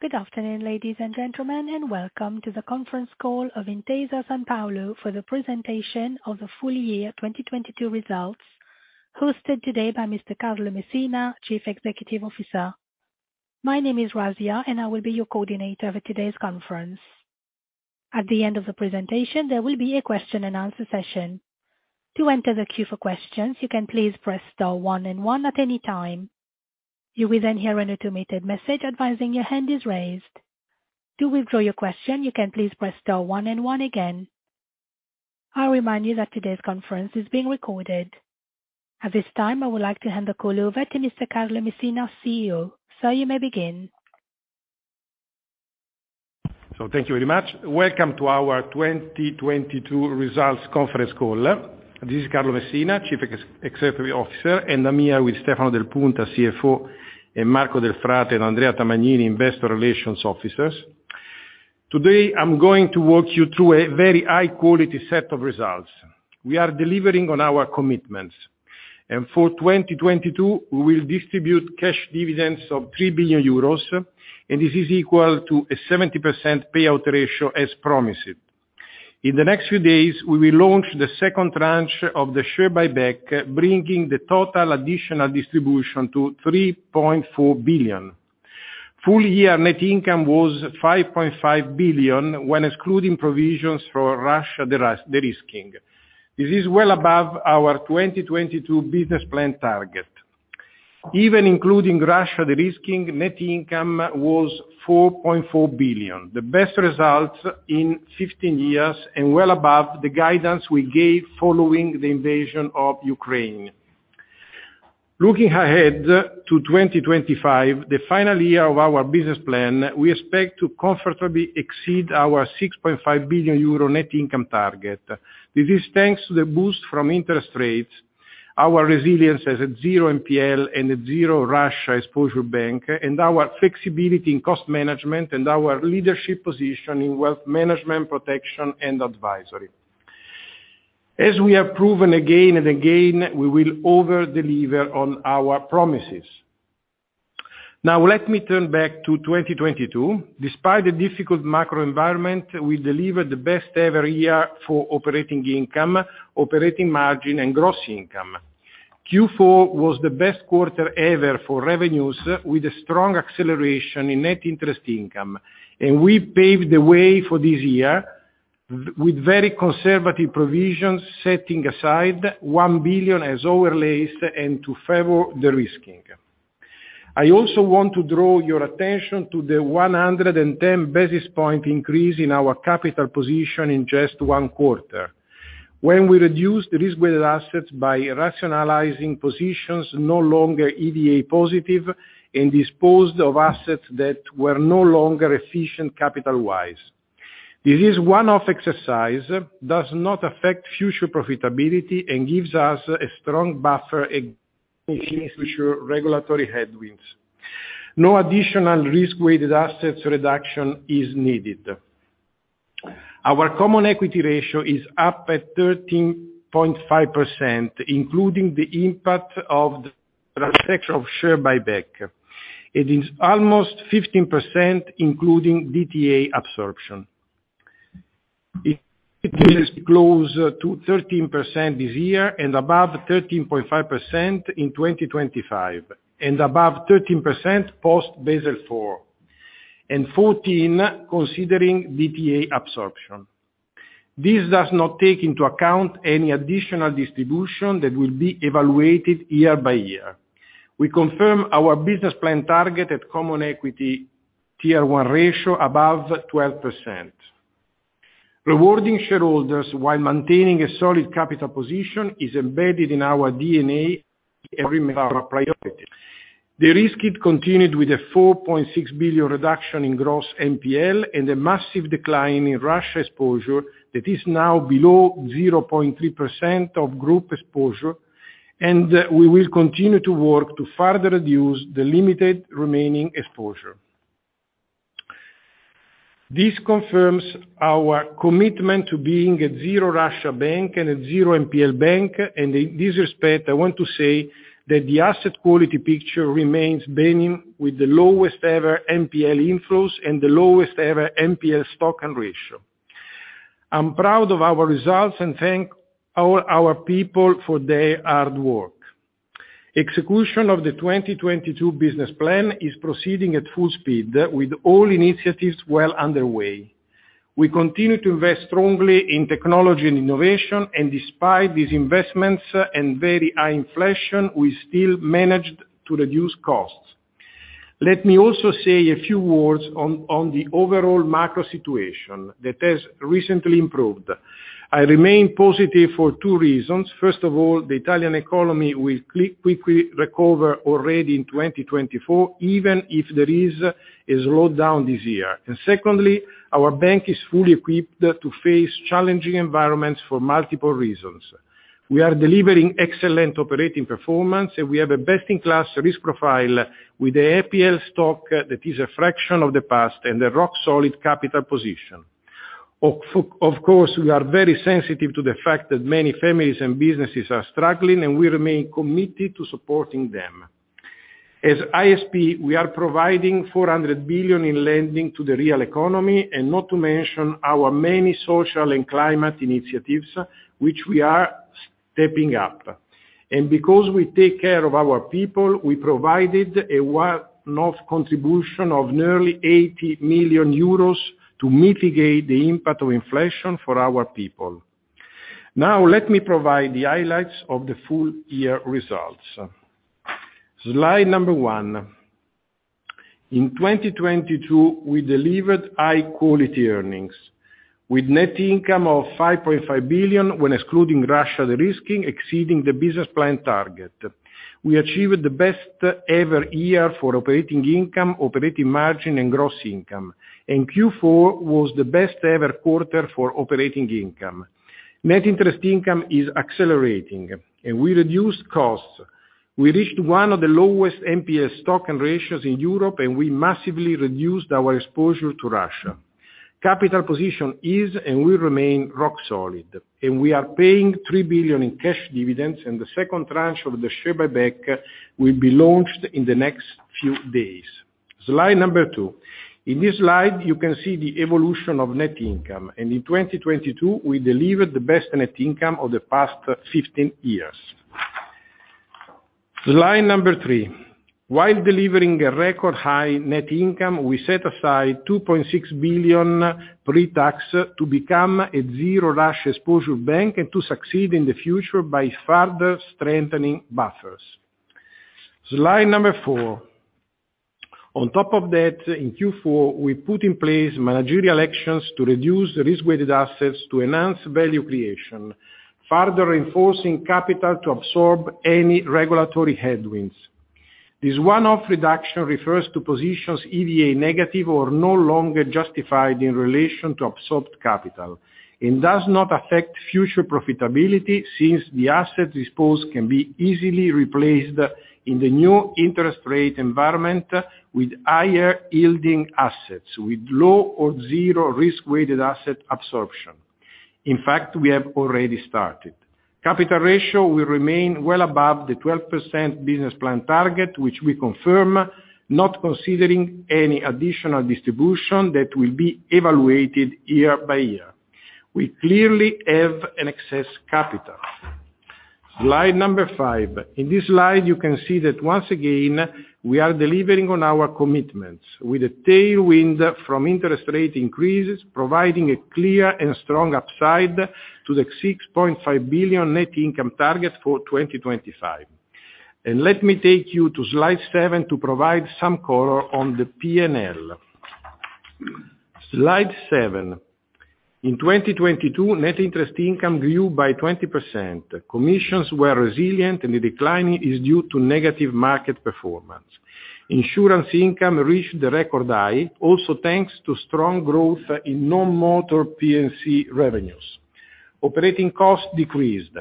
Good afternoon, ladies and gentlemen, welcome to the Conference Call of Intesa Sanpaolo for the presentation of the full-year 2022 results, hosted today by Mr. Carlo Messina, Chief Executive Officer. My name is Razia, I will be your coordinator for today's conference. At the end of the presentation, there will be a question-and-answer session. To enter the queue for questions, you can please press star one and one at any time. You will hear an automated message advising your hand is raised. To withdraw your question, you can please press star one and one again. I'll remind you that today's conference is being recorded. At this time, I would like to hand the call over to Mr. Carlo Messina, CEO. Sir, you may begin. Thank you very much. Welcome to our 2022 results Conference Call. This is Carlo Messina, Chief Executive Officer, and I'm here with Stefano Del Punta, CFO, and Marco Delfrate and Andrea Tamagnini, investor relations officers. Today, I'm going to walk you through a very high-quality set of results. We are delivering on our commitments, and for 2022, we will distribute cash dividends of 3 billion euros, and this is equal to a 70% payout ratio as promised. In the next few days, we will launch the second tranche of the share buyback, bringing the total additional distribution to 3.4 billion. Full-year net income was 5.5 billion when excluding provisions for Russia derisking. This is well above our 2022 business plan target. Even including Russia derisking, net income was 4.4 billion, the best result in 15 years and well above the guidance we gave following the invasion of Ukraine. Looking ahead to 2025, the final year of our business plan, we expect to comfortably exceed our 6.5 billion euro net income target. This is thanks to the boost from interest rates, our resilience as a 0 NPL and a 0 Russia exposure bank, and our flexibility in cost management and our leadership position in wealth management, protection and advisory. As we have proven again and again, we will over-deliver on our promises. Now let me turn back to 2022. Despite the difficult macro environment, we delivered the best ever year for operating income, operating margin and gross income. Q4 was the best quarter ever for revenues, with a strong acceleration in net interest income. We paved the way for this year with very conservative provisions, setting aside 1 billion as overlays and to favor derisking. I also want to draw your attention to the 110 basis points increase in our capital position in just one quarter. When we reduced risk-weighted assets by rationalizing positions no longer EVA positive and disposed of assets that were no longer efficient capital-wise. This is one-off exercise, does not affect future profitability and gives us a strong buffer against future regulatory headwinds. No additional risk-weighted assets reduction is needed. Our common equity ratio is up at 13.5%, including the impact of the transaction of share buyback. It is almost 15%, including DTA absorption. It is close to 13% this year and above 13.5% in 2025, and above 13% post Basel IV. 14% considering DTA absorption. This does not take into account any additional distribution that will be evaluated year by year. We confirm our business plan target at Common Equity Tier 1 ratio above 12%. Rewarding shareholders while maintaining a solid capital position is embedded in our DNA and remains our priority. Derisking continued with a 4.6 billion reduction in gross NPL and a massive decline in Russia exposure that is now below 0.3% of group exposure, and we will continue to work to further reduce the limited remaining exposure. This confirms our commitment to being a zero-Russia bank and a zero-NPL bank. In this respect, I want to say that the asset quality picture remains benign, with the lowest ever NPL inflows and the lowest ever NPL stock and ratio. I'm proud of our results and thank all our people for their hard work. Execution of the 2022 business plan is proceeding at full speed, with all initiatives well underway. We continue to invest strongly in technology and innovation, and despite these investments and very high inflation, we still managed to reduce costs. Let me also say a few words on the overall macro situation that has recently improved. I remain positive for two reasons. First of all, the Italian economy will quickly recover already in 2024, even if there is a slowdown this year. Secondly, our bank is fully equipped to face challenging environments for multiple reasons. We are delivering excellent operating performance, and we have a best-in-class risk profile with the NPL stock that is a fraction of the past and a rock-solid capital position. Of course, we are very sensitive to the fact that many families and businesses are struggling, and we remain committed to supporting them. As ISP, we are providing 400 billion in lending to the real economy, not to mention our many social and climate initiatives, which we are stepping up. Because we take care of our people, we provided a one-off contribution of nearly 80 million euros to mitigate the impact of inflation for our people. Now, let me provide the highlights of the full-year results. Slide number one. In 2022, we delivered high-quality earnings with net income of 5.5 billion when excluding Russia, de-risking exceeding the business plan target. We achieved the best ever year for operating income, operating margin, and gross income. Q4 was the best ever quarter for operating income. Net interest income is accelerating. We reduced costs. We reached one of the lowest NPL stock and ratios in Europe. We massively reduced our exposure to Russia. Capital position is, and will remain rock solid. We are paying 3 billion in cash dividends. The second tranche of the share buyback will be launched in the next few days. Slide number 2. In this slide, you can see the evolution of net income, and in 2022, we delivered the best net income of the past 15 years. Slide number 3. While delivering a record high net income, we set aside 2.6 billion pre-tax to become a zero-Russia exposure bank and to succeed in the future by further strengthening buffers. Slide number 4. On top of that, in Q4, we put in place managerial actions to reduce the risk-weighted assets to enhance value creation, further reinforcing capital to absorb any regulatory headwinds. This one-off reduction refers to positions EVA negative or no longer justified in relation to absorbed capital, and does not affect future profitability since the asset disposed can be easily replaced in the new interest rate environment with higher yielding assets, with low or zero-risk-weighted asset absorption. In fact, we have already started. Capital ratio will remain well above the 12% business plan target, which we confirm, not considering any additional distribution that will be evaluated year by year. We clearly have an excess capital. Slide number 5. In this slide, you can see that once again, we are delivering on our commitments with a tailwind from interest rate increases, providing a clear and strong upside to the 6.5 billion net income target for 2025. Let me take you to slide 7 to provide some color on the P&L. Slide 7. In 2022, net interest income grew by 20%. Commissions were resilient, and the decline is due to negative market performance. Insurance income reached the record high, also thanks to strong growth in non-motor P&C revenues. Operating costs decreased.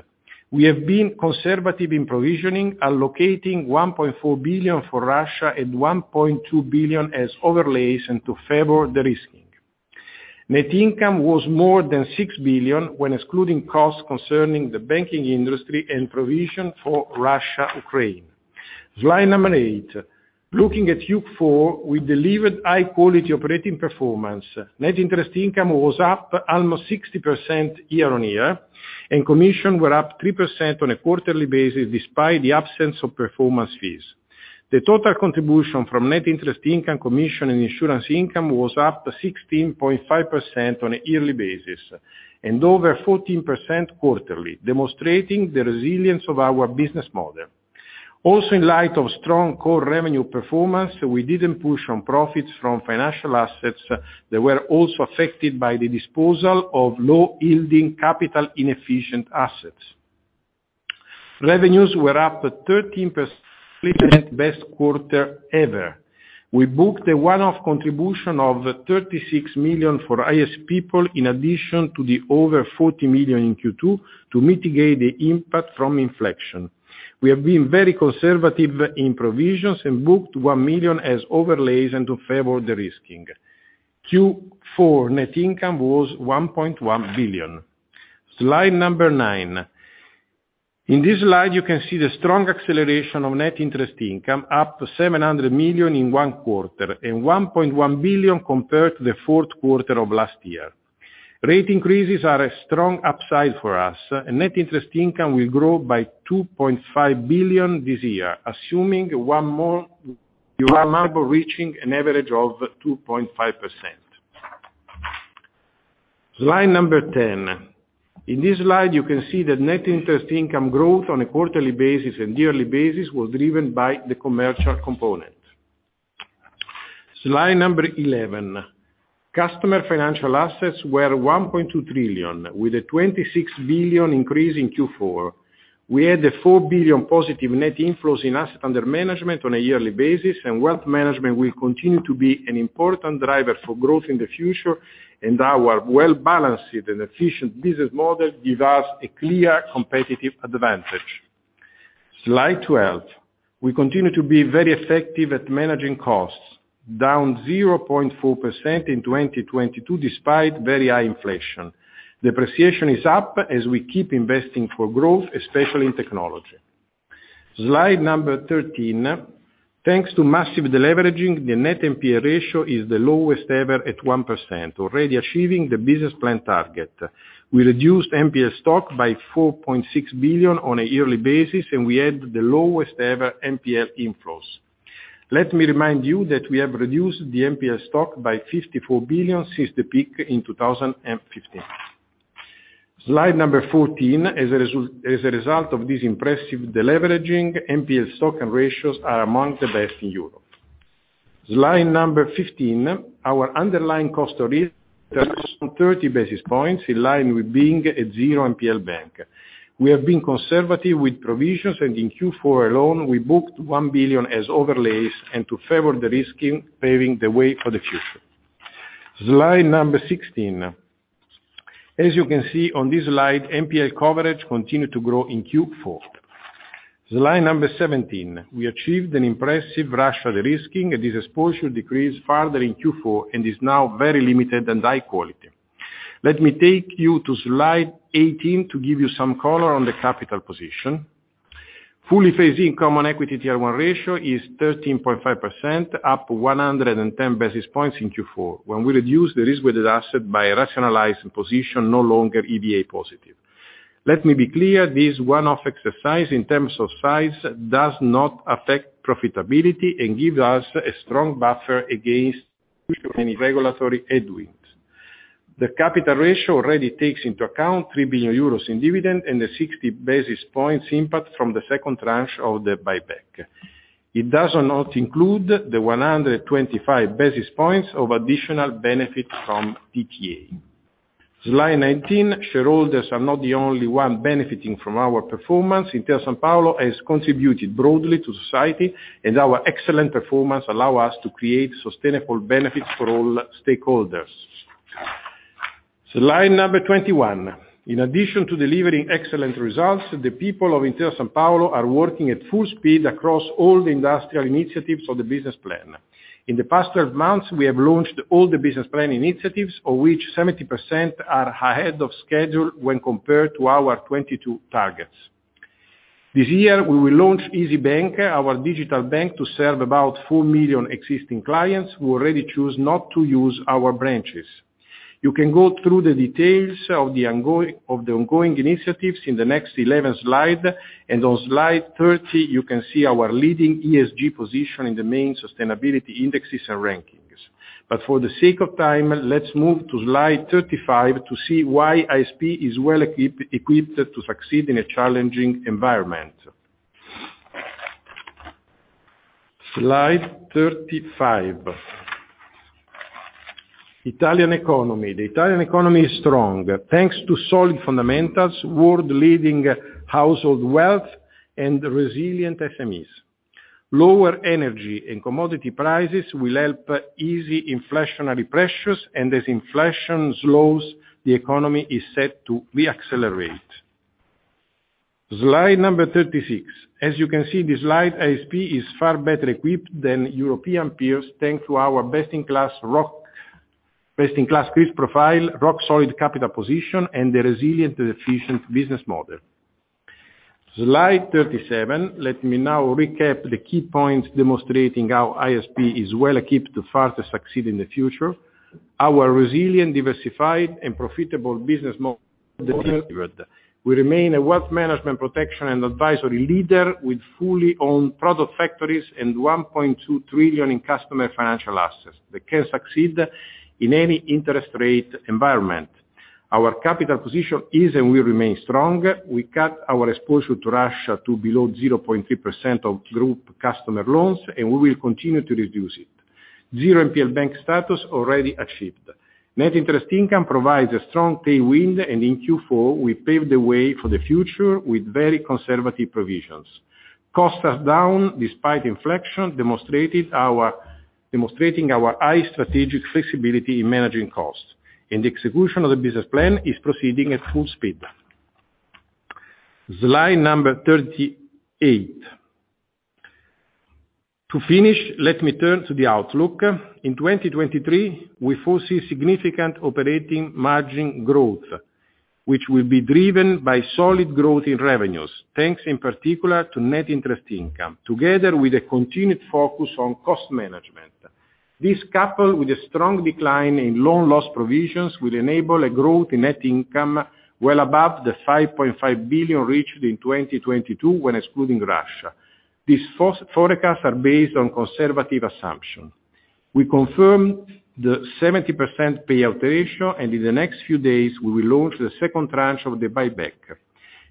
We have been conservative in provisioning, allocating 1.4 billion for Russia and 1.2 billion as overlays and to favor derisking. Net income was more than 6 billion when excluding costs concerning the banking industry and provision for Russia, Ukraine. Slide number 8. Looking at Q4, we delivered high-quality operating performance. Net interest income was up almost 60% year-on-year, and commission were up 3% on a quarterly basis, despite the absence of performance fees. The total contribution from net interest income, commission, and insurance income was up 16.5% on a yearly basis and over 14% quarterly, demonstrating the resilience of our business model. In light of strong core revenue performance, we didn't push on profits from financial assets that were also affected by the disposal of low-yielding capital inefficient assets. Revenues were up 13%, best quarter ever. We booked a one-off contribution of 36 million for IS people, in addition to the over 40 million in Q2 to mitigate the impact from inflection. We have been very conservative in provisions and booked 1 million as overlays and to favor derisking. Q4 net income was 1.1 billion. Slide number 9. In this slide, you can see the strong acceleration of net interest income up to 700 million in one quarter and 1.1 billion compared to the Q4 last year. Rate increases are a strong upside for us. Net interest income will grow by 2.5 billion this year, assuming one more Euribor reaching an average of 2.5%. Slide number 10. In this slide, you can see the net interest income growth on a quarterly basis and yearly basis was driven by the commercial component. Slide number 11. Customer financial assets were 1.2 trillion, with a 26 billion increase in Q4. We had a 4 billion positive net inflows in asset under management on a yearly basis. Wealth management will continue to be an important driver for growth in the future. Our well-balanced and efficient business model give us a clear competitive advantage. Slide 12. We continue to be very effective at managing costs, down 0.4% in 2022, despite very high inflation. Depreciation is up as we keep investing for growth, especially in technology. Slide 13. Thanks to massive deleveraging, the net NPL ratio is the lowest ever at 1%, already achieving the business plan target. We reduced NPL stock by 4.6 billion on a yearly basis. We had the lowest ever NPL inflows. Let me remind you that we have reduced the NPL stock by 54 billion since the peak in 2015. Slide 14. As a result of this impressive deleveraging, NPL stock and ratios are among the best in Europe. Slide number 15. Our underlying cost of risk 30 basis points in line with being a zero-NPL bank. We have been conservative with provisions, and in Q4 alone, we booked 1 billion as overlays and to favor the risking, paving the way for the future. Slide number 16. As you can see on this slide, NPL coverage continued to grow in Q4. Slide number 17. We achieved an impressive Russia derisking. This exposure decreased further in Q4 and is now very limited and high quality. Let me take you to slide 18 to give you some color on the capital position. Fully phased-in Common Equity Tier 1 ratio is 13.5%, up 110 basis points in Q4. When we reduce the risk-weighted asset by rationalizing position no longer EBA positive. Let me be clear. This one-off exercise in terms of size does not affect profitability and gives us a strong buffer against any regulatory headwinds. The capital ratio already takes into account 3 billion euros in dividend and the 60 basis points impact from the second tranche of the buyback. It does not include the 125 basis points of additional benefit from DTA. Slide 19. Shareholders are not the only one benefiting from our performance. Intesa Sanpaolo has contributed broadly to society, and our excellent performance allow us to create sustainable benefits for all stakeholders. Slide number 21. In addition to delivering excellent results, the people of Intesa Sanpaolo are working at full speed across all the industrial initiatives of the business plan. In the past 12 months, we have launched all the business planning initiatives, of which 70% are ahead of schedule when compared to our 22 targets. This year, we will launch Isybank, our digital bank, to serve about 4 million existing clients who already choose not to use our branches. You can go through the details of the ongoing initiatives in the next 11 slide. On slide 30, you can see our leading ESG position in the main sustainability indexes and rankings. For the sake of time, let's move to slide 35 to see why ISP is well-equipped to succeed in a challenging environment. Slide 35. Italian economy. The Italian economy is strong. Thanks to solid fundamentals, world-leading household wealth and resilient SMEs. Lower energy and commodity prices will help ease inflationary pressures. As inflation slows, the economy is set to re-accelerate. Slide number 36. As you can see in this slide, ISP is far better equipped than European peers, thanks to our best-in-class risk profile, rock-solid capital position and the resilient and efficient business model. Slide 37. Let me now recap the key points demonstrating how ISP is well-equipped to further succeed in the future. Our resilient, diversified and profitable business model. We remain a wealth management protection and advisory leader with fully owned product factories and 1.2 trillion in customer financial assets that can succeed in any interest rate environment. Our capital position is and will remain strong. We cut our exposure to Russia to below 0.3% of group customer loans. We will continue to reduce it. Zero-NPL bank status already achieved. Net interest income provides a strong tailwind. In Q4 we paved the way for the future with very conservative provisions. Costs are down despite inflation, demonstrating our high strategic flexibility in managing costs. The execution of the business plan is proceeding at full speed. Slide number 38. To finish, let me turn to the outlook. In 2023, we foresee significant operating margin growth, which will be driven by solid growth in revenues, thanks in particular to net interest income, together with a continued focus on cost management. This, coupled with a strong decline in loan loss provisions, will enable a growth in net income well above the 5.5 billion reached in 2022 when excluding Russia. These forecasts are based on conservative assumption. We confirmed the 70% payout ratio. In the next few days we will launch the second tranche of the buyback.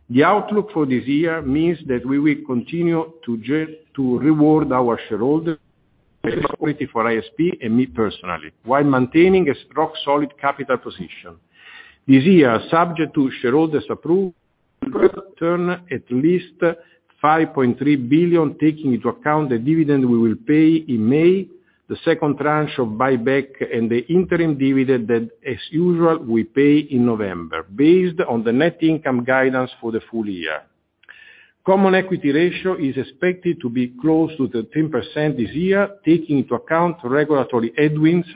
The outlook for this year means that we will continue to reward our shareholders for ISP and me personally, while maintaining a strong, solid capital position. This year, subject to shareholders return at least 5.3 billion, taking into account the dividend we will pay in May. The second tranche of buyback and the interim dividend that as usual we pay in November based on the net income guidance for the full year. Common equity ratio is expected to be close to 13% this year, taking into account regulatory headwinds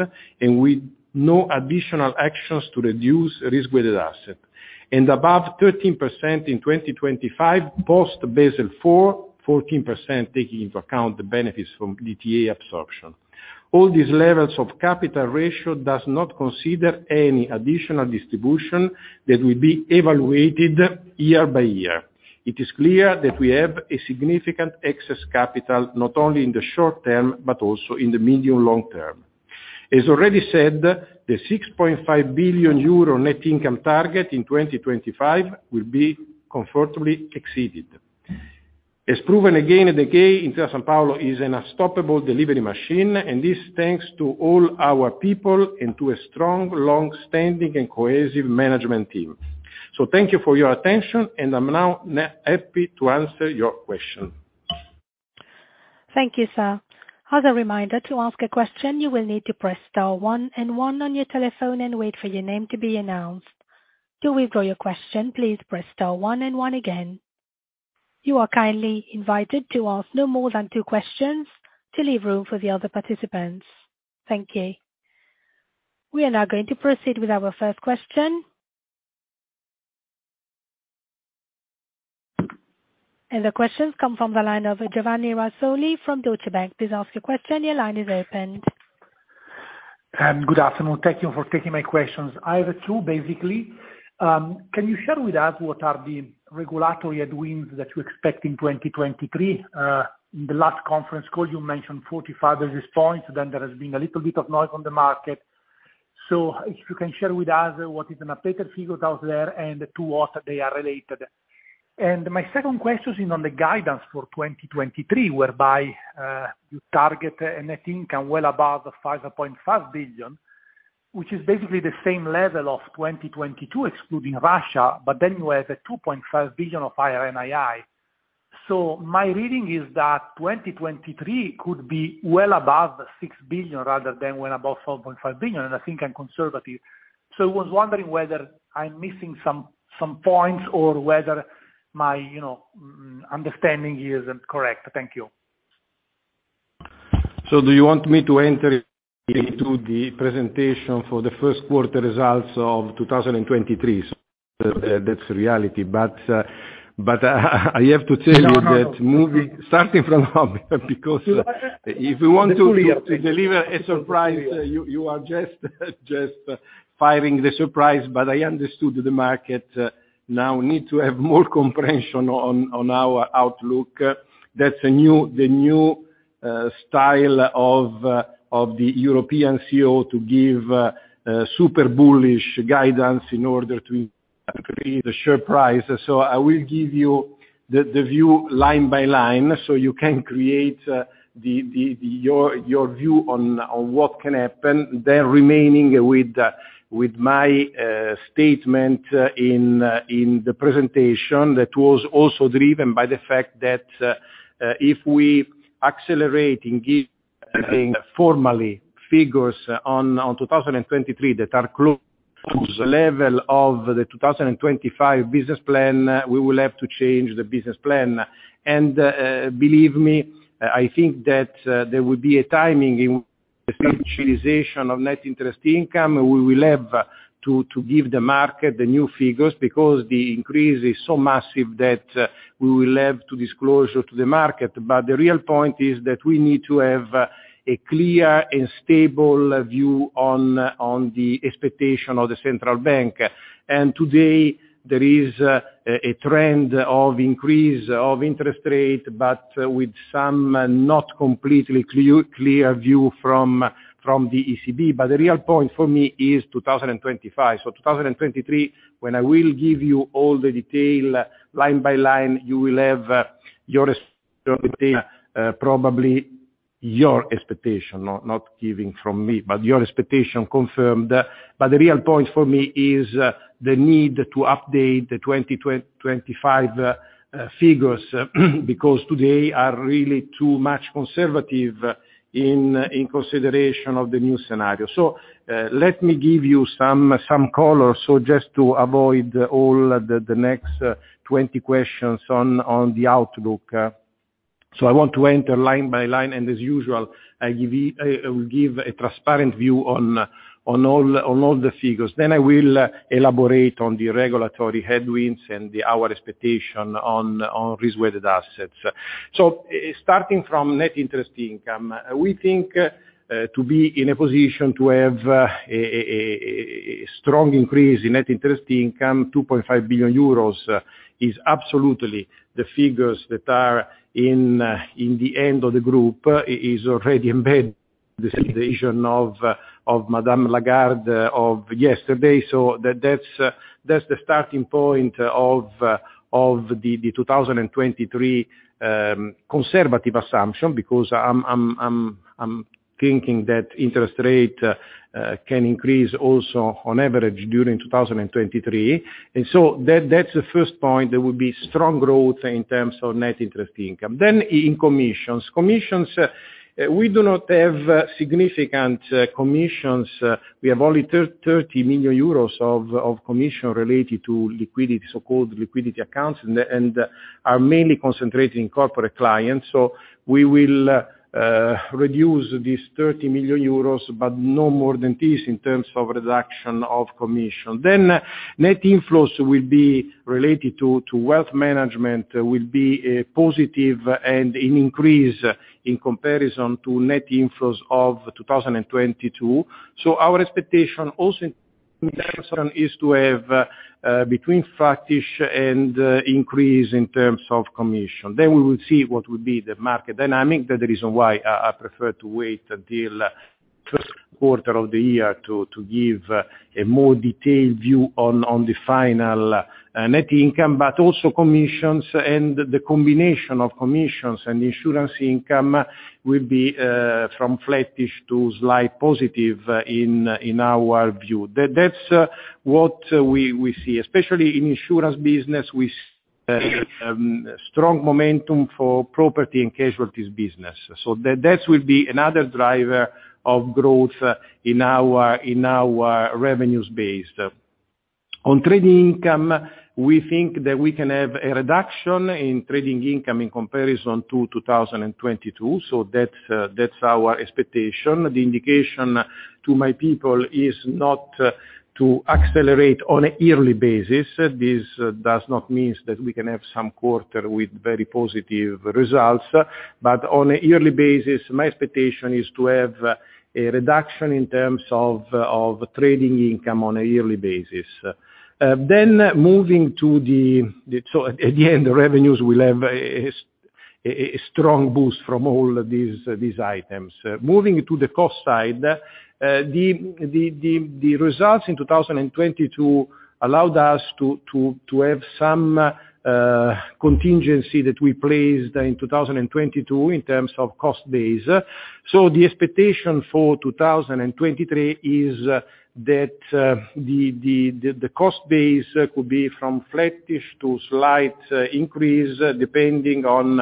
and with no additional actions to reduce risk-weighted asset. Above 13% in 2025 post Basel IV, 14% taking into account the benefits from DTA absorption. All these levels of capital ratio does not consider any additional distribution that will be evaluated year by year. It is clear that we have a significant excess capital, not only in the short term, but also in the medium-long-term. As already said, the 6.5 billion euro net income target in 2025 will be comfortably exceeded. As proven again today, Intesa Sanpaolo is an unstoppable delivery machine, and this thanks to all our people into a strong, long-standing and cohesive management team. Thank you for your attention, and I'm now happy to answer your question. Thank you, sir. As a reminder to ask a question, you will need to press star one and one on your telephone and wait for your name to be announced. To withdraw your question, please press star one and one again. You are kindly invited to ask no more than two questions to leave room for the other participants. Thank you. We are now going to proceed with our first question. The questions come from the line of Giovanni Razzoli from Deutsche Bank. Please ask your question. Your line is open. Good afternoon. Thank you for taking my questions. I have two basically. Can you share with us what are the regulatory headwinds that you expect in 2023? In the last Conference Call, you mentioned 45 basis points. There has been a little bit of noise on the market. If you can share with us what is an updated figure down there and to what they are related. My second question is on the guidance for 2023, whereby you target a net income well above 5.5 billion, which is basically the same level of 2022 excluding Russia, but then you have a 2.5 billion of higher NII. My reading is that 2023 could be well above 6 billion rather than well above 4.5 billion, and I think I'm conservative. I was wondering whether I'm missing some points or whether my, you know, understanding here isn't correct? Thank you. Do you want me to enter into the presentation for the Q1 results of 2023? That's the reality. I have to tell you that starting from home because if you want to deliver a surprise, you are just firing the surprise. I understood the market now need to have more comprehension on our outlook. That's a new, the new style of the European CEO to give super bullish guidance in order to increase the share price. I will give you the view line by line, so you can create your view on what can happen. Remaining with my statement in the presentation that was also driven by the fact that if we accelerate and give, I think, formally figures on 2023 that are close to the level of the 2025 business plan, we will have to change the business plan. Believe me, I think that there will be a timing in the virtualization of net interest income. We will have to give the market the new figures because the increase is so massive that we will have to disclose to the market. The real point is that we need to have a clear and stable view on the expectation of the central bank. Today there is a trend of increase of interest rate, but with some not completely clear view from the ECB. The real point for me is 2025. 2023, when I will give you all the detail line by line, you will have your probably your expectation, not giving from me, but your expectation confirmed. The real point for me is the need to update the 2025 figures because today are really too much conservative in consideration of the new scenario. Let me give you some color. Just to avoid all the next 20 questions on the outlook. I want to enter line by line, and as usual, I will give a transparent view on all the figures. I will elaborate on the regulatory headwinds and our expectation on risk-weighted assets. Starting from net interest income, we think to be in a position to have a strong increase in net interest income, 2.5 billion euros is absolutely the figures that are in the end of the group is already embedded. The presentation of Christine Lagarde of yesterday. That's the starting point of the 2023 conservative assumption, because I'm thinking that interest rate can increase also on average during 2023. That's the first point. There will be strong growth in terms of net interest income. In commissions. Commissions, we do not have significant commissions. We have only 30 million euros of commission related to liquidity, so-called liquidity accounts. Are mainly concentrated in corporate clients. We will reduce this 30 million euros, but no more than this in terms of reduction of commission. Net inflows will be related to wealth management, will be positive and an increase in comparison to net inflows of 2022. Our expectation also is to have between flattish and increase in terms of commission. We will see what would be the market dynamic. That the reason why I prefer to wait until Q1 of the year to give a more detailed view on the final net income, but also commissions and the combination of commissions and insurance income will be from flattish to slight positive in our view. That's what we see. Especially in insurance business, we strong momentum for Property and Casualty business. That would be another driver of growth in our revenues base. On trading income, we think that we can have a reduction in trading income in comparison to 2022. That's our expectation. The indication to my people is not to accelerate on a yearly basis. This does not mean that we can have some quarter with very positive results. On a yearly basis, my expectation is to have a reduction in terms of of trading income on a yearly basis. Moving to the. At the end, the revenues will have a strong boost from all of these items. Moving to the cost side, the results in 2022 allowed us to have some contingency that we placed in 2022 in terms of cost base. The expectation for 2023 is that the cost base could be from flattish to slight increase depending on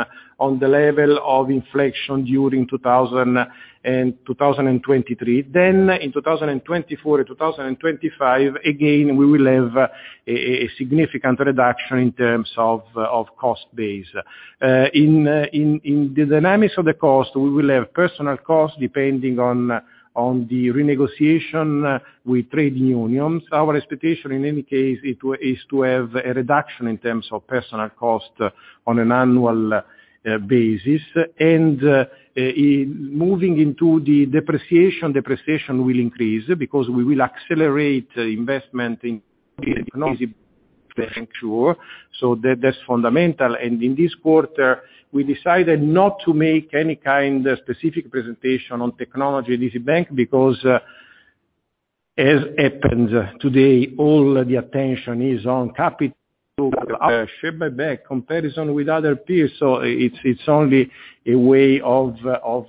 the level of inflation during 2023. In 2024 and 2025, again, we will have a significant reduction in terms of cost base. In the dynamics of the cost, we will have personal costs depending on the renegotiation with trade unions. Our expectation, in any case, is to have a reduction in terms of personal cost on an annual basis. In moving into the depreciation will increase because we will accelerate investment in so that's fundamental. In this quarter, we decided not to make any kind of specific presentation on technology at Isybank because, as happens today, all the attention is on capital comparison with other peers. It's only a way of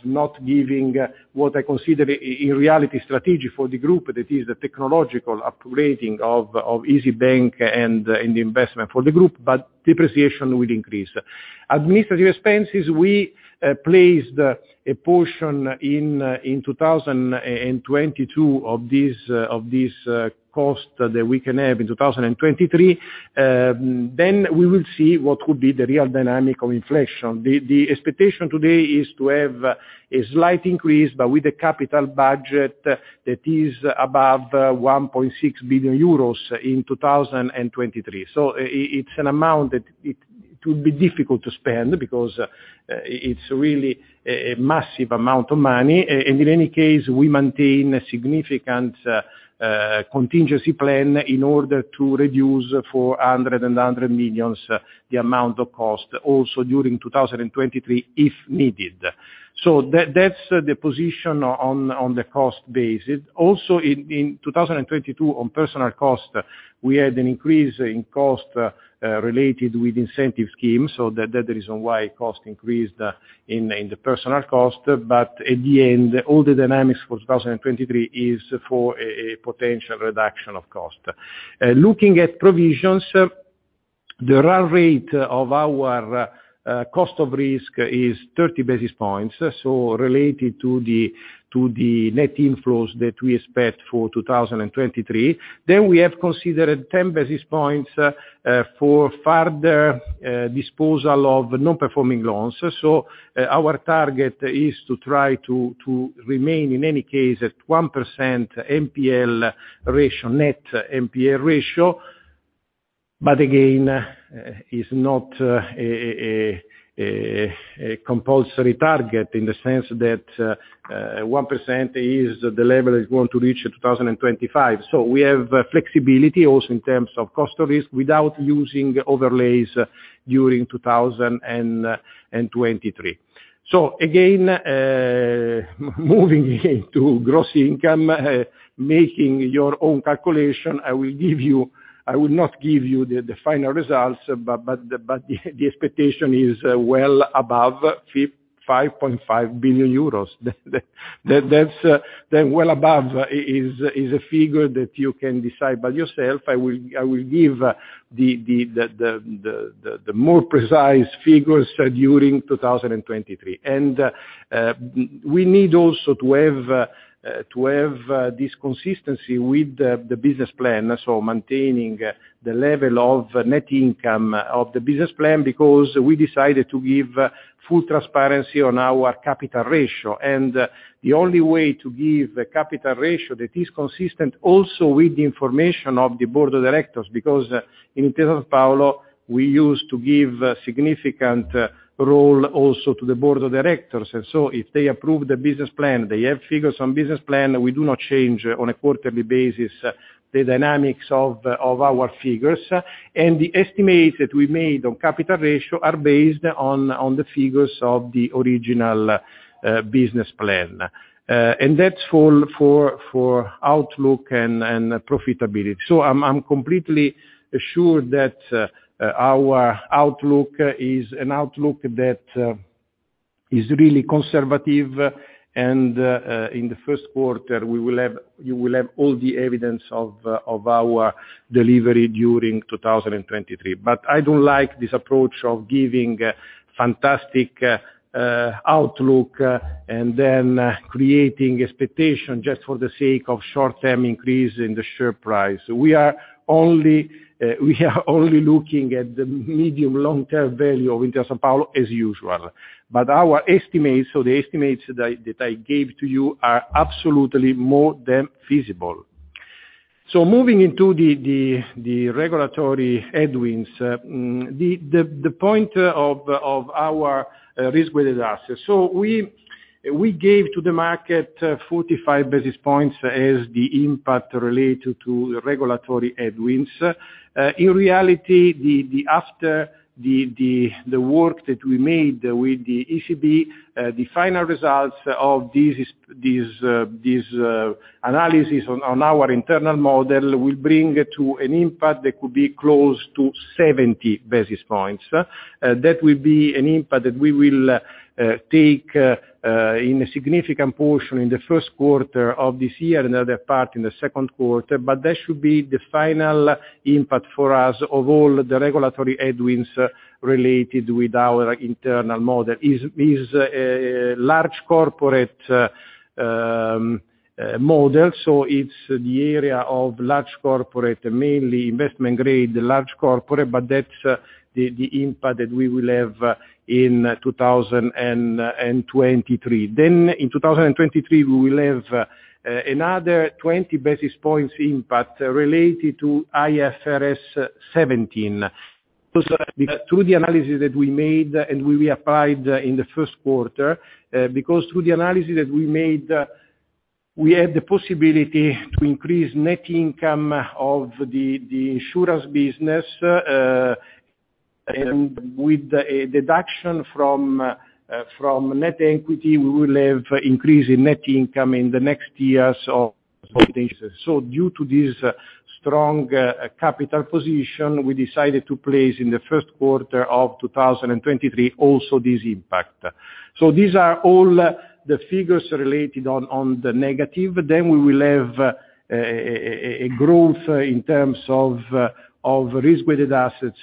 not giving what I consider in reality strategic for the group. That is the technological upgrading of Isybank and the investment for the group. Depreciation will increase. Administrative expenses, we placed a portion in 2022 of these costs that we can have in 2023. We will see what could be the real dynamic of inflation. The expectation today is to have a slight increase, but with a capital budget that is above 1.6 billion euros in 2023. It's an amount that it will be difficult to spend because it's really a massive amount of money. In any case, we maintain a significant contingency plan in order to reduce 400 million and 100 million the amount of cost also during 2023 if needed. That's the position on the cost basis. In 2022, on personal cost, we had an increase in cost related with incentive schemes, so that the reason why cost increased in the personal cost. At the end, all the dynamics for 2023 is for a potential reduction of cost. Looking at provisions, the RAR rate of our cost of risk is 30 basis points, so related to the net inflows that we expect for 2023. We have considered 10 basis points for further disposal of non-performing loans. Our target is to try to remain, in any case, at 1% NPL ratio, net NPL ratio. Again, is not a compulsory target in the sense that 1% is the level is going to reach in 2025. We have flexibility also in terms of cost of risk without using overlays during 2023. Again, moving to gross income, making your own calculation, I will give you... I will not give you the final results, but the expectation is well above 5.5 billion euros. That well above is a figure that you can decide by yourself. I will give the more precise figures during 2023. We need also to have this consistency with the business plan, so maintaining the level of net income of the business plan because we decided to give full transparency on our capital ratio. The only way to give a capital ratio that is consistent also with the information of the board of directors, because in Intesa Sanpaolo, we used to give a significant role also to the board of directors. If they approve the business plan, they have figures on business plan, we do not change on a quarterly basis, the dynamics of our figures. The estimates that we made on capital ratio are based on the figures of the original business plan. That's for outlook and profitability. I'm completely assured that our outlook is an outlook that is really conservative. In the Q1, you will have all the evidence of our delivery during 2023. I don't like this approach of giving fantastic outlook and then creating expectation just for the sake of short-term increase in the share price. We are only looking at the medium-long-term value of Intesa Sanpaolo as usual. Our estimates, so the estimates that I gave to you are absolutely more than feasible. Moving into the regulatory headwinds, the point of our risk-weighted assets. We gave to the market 45 basis points as the impact related to regulatory headwinds. In reality, the work that we made with the ECB, the final results of these analysis on our internal model will bring to an impact that could be close to 70 basis points. That will be an impact that we will take in a significant portion in the Q1 of this year, another part in the Q2. That should be the final impact for us of all the regulatory headwinds related with our internal model. Is large corporate model. It's the area of large corporate, mainly investment grade, large corporate, but that's the impact that we will have in 2023. In 2023, we will have another 20 basis points impact related to IFRS 17. Through the analysis that we made, we had the possibility to increase net income of the insurance business, and with a deduction from net equity, we will have increase in net income in the next years of. Due to this strong capital position, we decided to place in the Q1 2023 also this impact. These are all the figures related on the negative. We will have a growth in terms of risk-weighted assets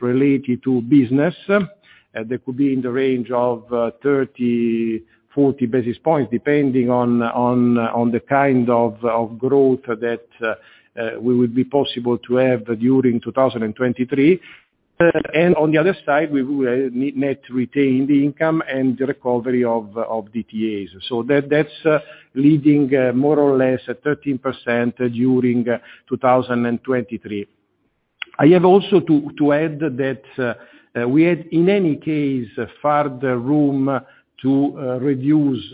related to business. That could be in the range of 30-40 basis points, depending on the kind of growth that we would be possible to have during 2023. On the other side, we will net retain the income and the recovery of DTAs. That's leading more or less at 13% during 2023. I have also to add that we had, in any case, further room to reduce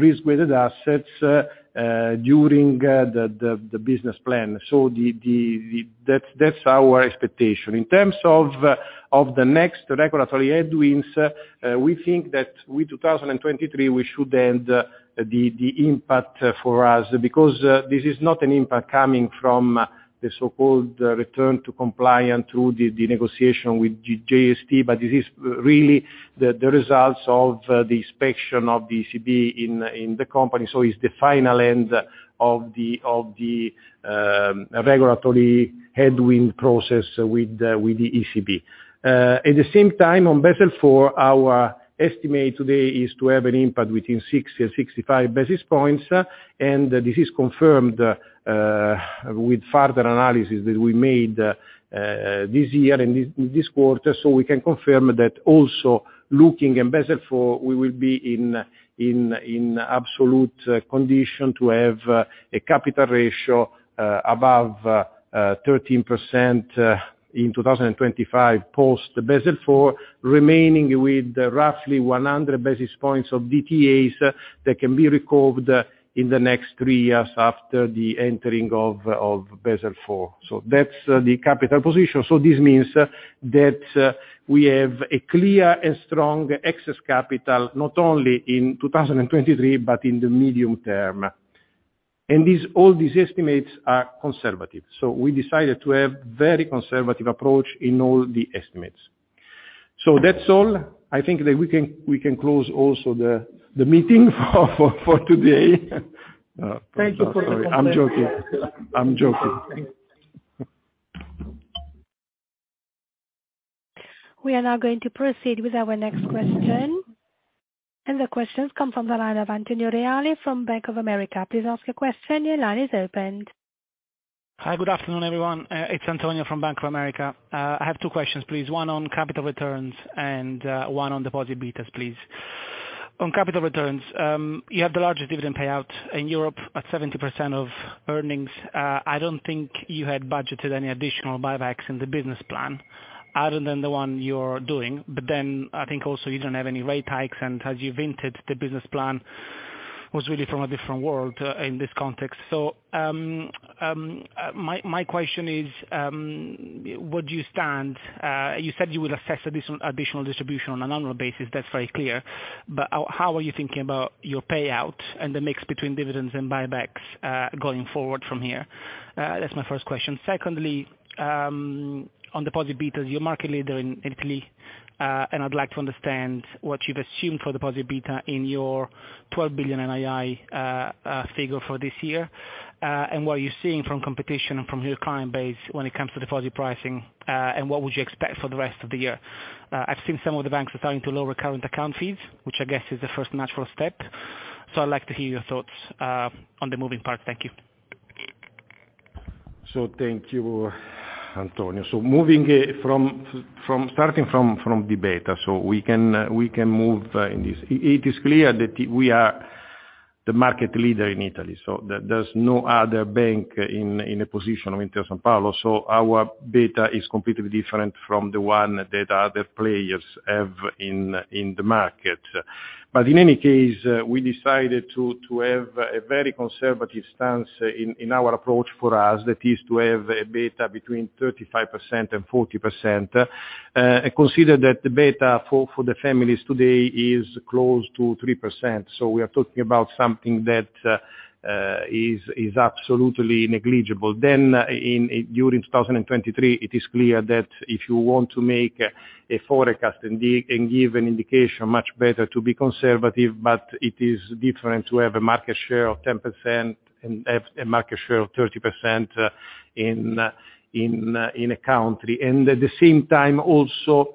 risk-weighted assets during the business plan. That's our expectation. In terms of the next regulatory headwinds, we think that with 2023, we should end the impact for us. This is not an impact coming from the so-called return to compliant through the negotiation with JST, but this is really the results of the inspection of the ECB in the company. It's the final end of the regulatory headwind process with the ECB. At the same time, on Basel IV, our estimate today is to have an impact within 60 and 65 basis points, and this is confirmed with further analysis that we made this year and this quarter. We can confirm that also looking in Basel IV, we will be in absolute condition to have a capital ratio above 13% in 2025 post Basel IV, remaining with roughly 100 basis points of DTAs that can be recovered in the next three years after the entering of Basel IV. That's the capital position. This means that we have a clear and strong excess capital, not only in 2023, but in the medium term. And these, all these estimates are conservative. We decided to have very conservative approach in all the estimates. That's all. I think that we can close also the meeting for today. Thank you for the conference. Sorry, I'm joking. I'm joking. We are now going to proceed with our next question. The question comes from the line of Antonio Reale from Bank of America. Please ask your question, your line is open. Hi. Good afternoon, everyone. It's Antonio from Bank of America. I have 2 questions, please. One on capital returns and one on deposit betas, please. On capital returns, you have the largest dividend payout in Europe at 70% of earnings. I don't think you had budgeted any additional buybacks in the business plan other than the one you're doing. I think also you don't have any rate hikes, and as you've hinted, the business plan was really from a different world in this context. My question is, where do you stand? You said you would assess additional distribution on an annual basis. That's very clear. How are you thinking about your payout and the mix between dividends and buybacks going forward from here? That's my first question. Secondly, on deposit betas, you're market leader in Italy. I'd like to understand what you've assumed for deposit beta in your 12 billion NII figure for this year, what you're seeing from competition and from your client base when it comes to deposit pricing, and what would you expect for the rest of the year? I've seen some of the banks are starting to lower current account fees, which I guess is the first natural step. I'd like to hear your thoughts on the moving parts. Thank you. Thank you, Antonio. Moving, from, starting from the beta, so we can move, in this. It is clear that we are the market leader in Italy, so there's no other bank in a position of Intesa Sanpaolo. Our beta is completely different from the one that other players have in the market. In any case, we decided to have a very conservative stance in our approach for us, that is to have a beta between 35% and 40%. Consider that the beta for the families today is close to 3%. We are talking about something that is absolutely negligible. In, during 2023, it is clear that if you want to make a forecast and give an indication, much better to be conservative, but it is different to have a market share of 10% and have a market share of 30% in a country. At the same time, also,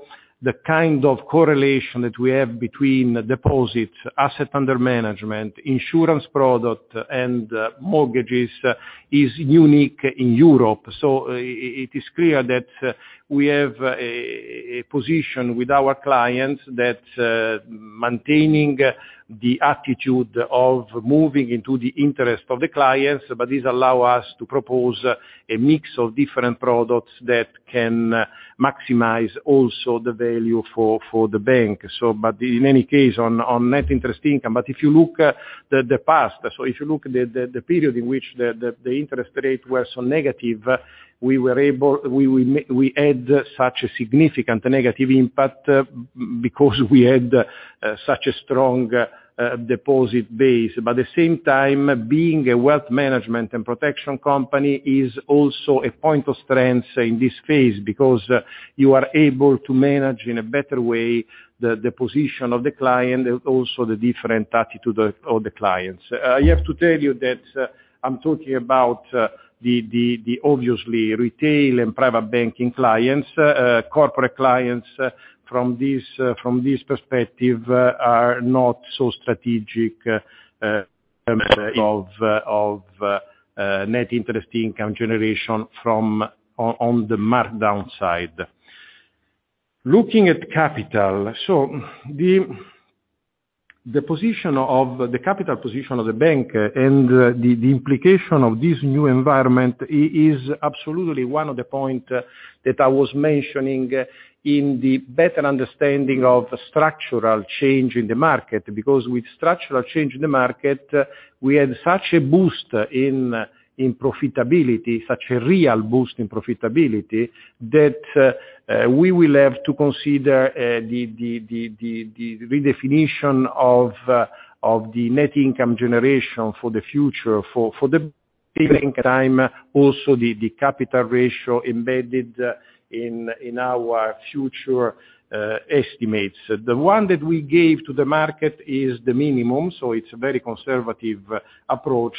the kind of correlation that we have between deposits, asset under management, insurance product, and mortgages is unique in Europe. It is clear that we have a position with our clients that maintaining the attitude of moving into the interest of the clients, but this allow us to propose a mix of different products that can maximize also the value for the bank. But in any case, on net interest income. If you look at the past, if you look at the period in which the interest rate were so negative, we were able, we had such a significant negative impact, because we had such a strong deposit base. At the same time, being a wealth management and protection company is also a point of strength in this phase, because you are able to manage in a better way the position of the client and also the different attitude of the clients. I have to tell you that I'm talking about the obviously retail and private banking clients. Corporate clients from this perspective are not so strategic of Net Interest Income generation from, on the markdown side. Looking at capital, the position of the capital position of the bank and the implication of this new environment is absolutely one of the point that I was mentioning in the better understanding of structural change in the market. With structural change in the market, we had such a boost in profitability, such a real boost in profitability, that we will have to consider the redefinition of the net income generation for the future. For the given time, also the capital ratio embedded in our future estimates. The one that we gave to the market is the minimum, so it's a very conservative approach.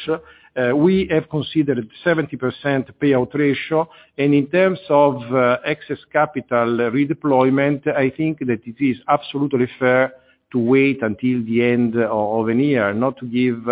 We have considered 70% payout ratio. In terms of excess capital redeployment, I think that it is absolutely fair to wait until the end of the year, not to give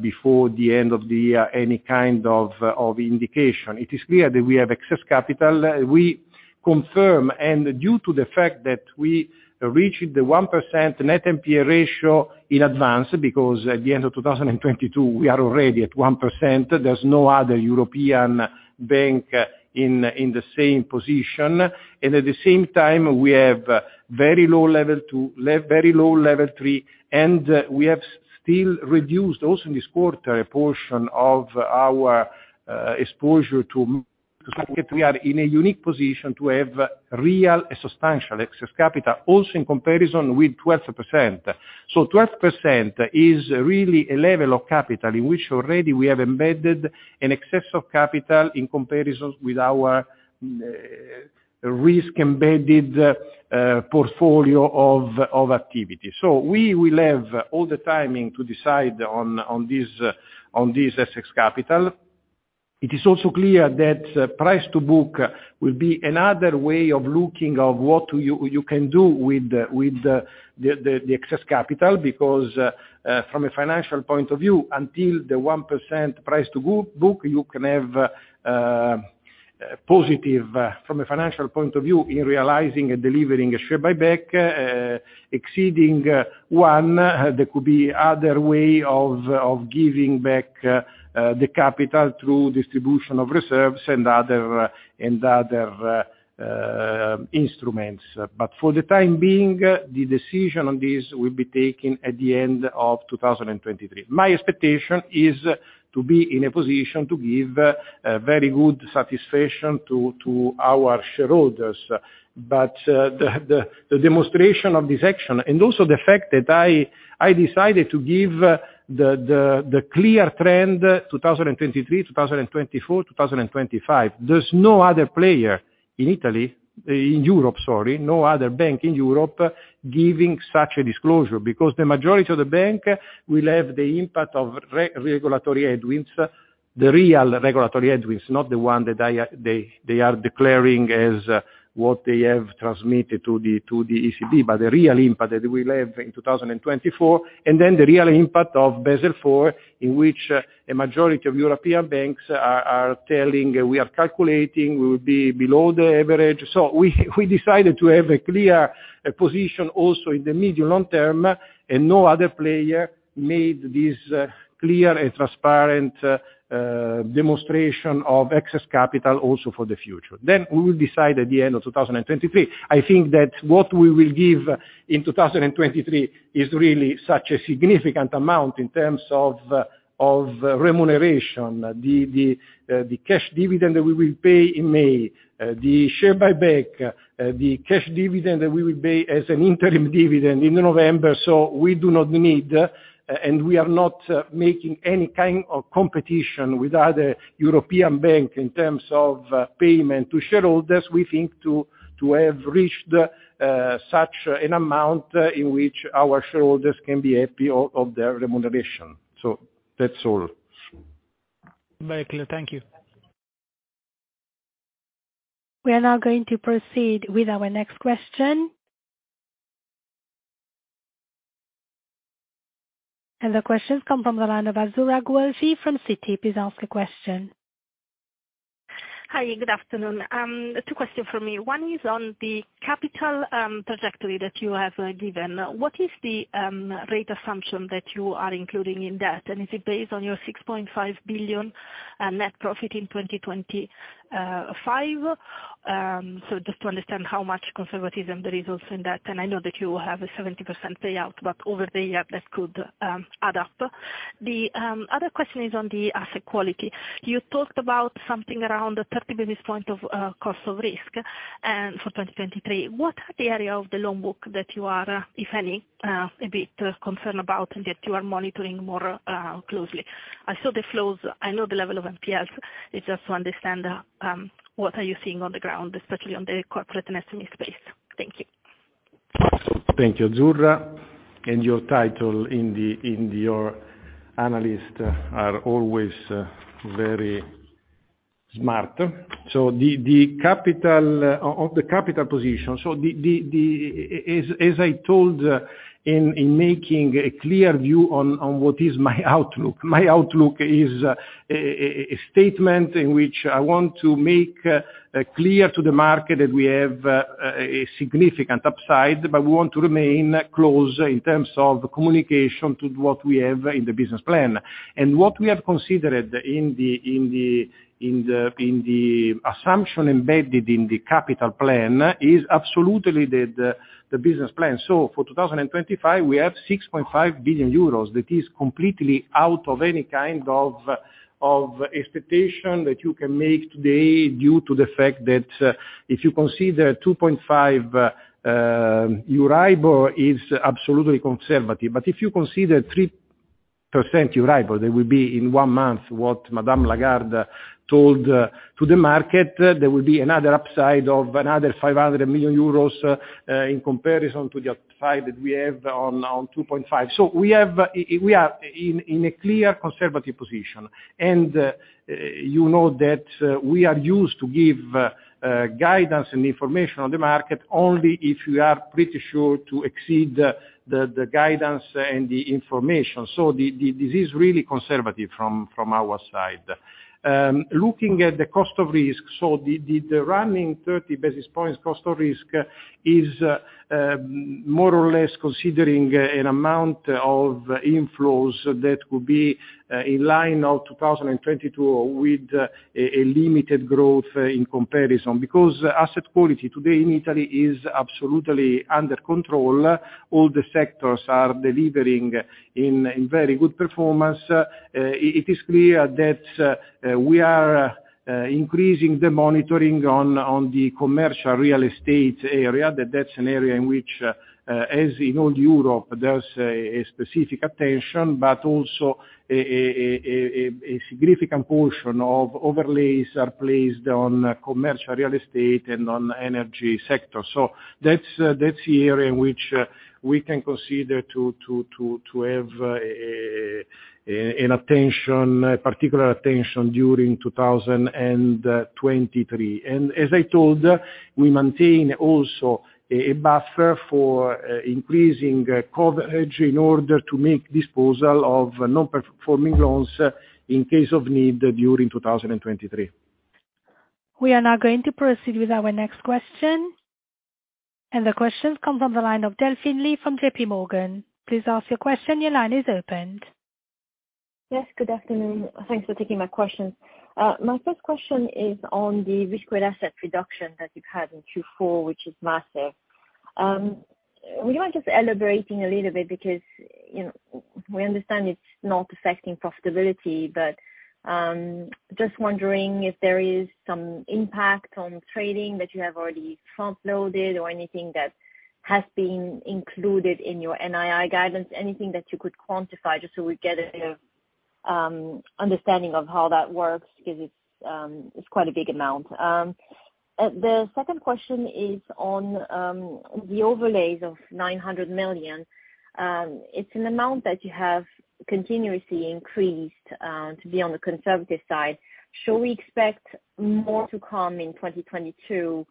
before the end of the year any kind of indication. It is clear that we have excess capital. We confirm, and due to the fact that we reached the 1% net NPA ratio in advance, because at the end of 2022, we are already at 1%. There's no other European bank in the same position. At the same time, we have very low level two, very low level three, and we have still reduced also in this quarter a portion of our exposure. That we are in a unique position to have real substantial excess capital also in comparison with 12%. 12% is really a level of capital in which already we have embedded an excess of capital in comparison with our risk-embedded portfolio of activity. We will have all the timing to decide on this excess capital. It is also clear that Price-to-Book will be another way of looking of what you can do with the excess capital because from a financial point of view, until the 1% Price-to-Book you can have positive from a financial point of view in realizing and delivering a share buyback, exceeding 1, there could be other way of giving back the capital through distribution of reserves and other instruments. For the time being, the decision on this will be taken at the end of 2023. My expectation is to be in a position to give very good satisfaction to our shareholders. The demonstration of this action and also the fact that I decided to give the clear trend 2023, 2024, 2025. There's no other player in Italy, in Europe, sorry, no other bank in Europe giving such a disclosure because the majority of the bank will have the impact of re-regulatory headwinds, the real regulatory headwinds, not the one that they are declaring as what they have transmitted to the ECB, but the real impact that we will have in 2024, and the real impact of Basel IV, in which a majority of European banks are telling we are calculating, we will be below the average. We decided to have a clear position also in the medium long term, and no other player made this clear and transparent demonstration of excess capital also for the future. We will decide at the end of 2023. I think that what we will give in 2023 is really such a significant amount in terms of remuneration. The, the cash dividend that we will pay in May, the share buyback, the cash dividend that we will pay as an interim dividend in November. We do not need, and we are not making any kind of competition with other European bank in terms of payment to shareholders. We think to have reached such an amount in which our shareholders can be happy of their remuneration. That's all. Very clear. Thank you. We are now going to proceed with our next question. The question comes from the line of Azzurra Guelfi from Citi. Please ask a question. Hi, good afternoon. Two question from me. One is on the capital trajectory that you have given. What is the rate assumption that you are including in that? Is it based on your 6.5 billion net profit in 2025? Just to understand how much conservatism there is also in that, and I know that you have a 70% payout, but over the year that could add up. The other question is on the asset quality. You talked about something around the 30 basis point of cost of risk for 2023. What are the area of the loan book that you are, if any, a bit concerned about and that you are monitoring more closely? I saw the flows. I know the level of NPLs. It's just to understand what are you seeing on the ground, especially on the corporate and SME space? Thank you. Thank you, Azzurra. Your title in your analyst are always very smart. The capital position. As I told in making a clear view on what is my outlook, my outlook is a statement in which I want to make clear to the market that we have a significant upside, but we want to remain close in terms of communication to what we have in the business plan. What we have considered in the assumption embedded in the capital plan is absolutely the business plan. For 2025, we have 6.5 billion euros. That is completely out of any kind of expectation that you can make today due to the fact that, if you consider 2.5 Euribor is absolutely conservative. If you consider 3% Euribor, there will be in one month what Christine Lagarde told to the market. There will be another upside of another 500 million euros in comparison to the upside that we have on 2.5. We have, we are in a clear conservative position. You know that we are used to give guidance and information on the market only if we are pretty sure to exceed the guidance and the information. This is really conservative from our side. Looking at the cost of risk. The, the running 30 basis points cost of risk is more or less considering an amount of inflows that could be in line of 2022 with a limited growth in comparison. Asset quality today in Italy is absolutely under control. All the sectors are delivering in very good performance. It is clear that we are increasing the monitoring on the commercial real estate area. That's an area in which as in all Europe, there's a specific attention, but also a significant portion of overlays are placed on commercial real estate and on energy sector. That's that's the area in which we can consider to have attention, particular attention during 2023. As I told, we maintain also a buffer for increasing coverage in order to make disposal of non-performing loans in case of need during 2023. We are now going to proceed with our next question. The question comes on the line of Delphine Lee from JPMorgan. Please ask your question, your line is opened. Yes, good afternoon. Thanks for taking my question. My first question is on the risk-weighted asset reduction that you've had in Q4, which is massive. Would you mind just elaborating a little bit because, you know, we understand it's not affecting profitability, but just wondering if there is some impact on trading that you have already front-loaded or anything that has been included in your NII guidance, anything that you could quantify just so we get a understanding of how that works because it's quite a big amount. The second question is on the overlays of 900 million. It's an amount that you have continuously increased to be on the conservative side. Should we expect more to come in 2022,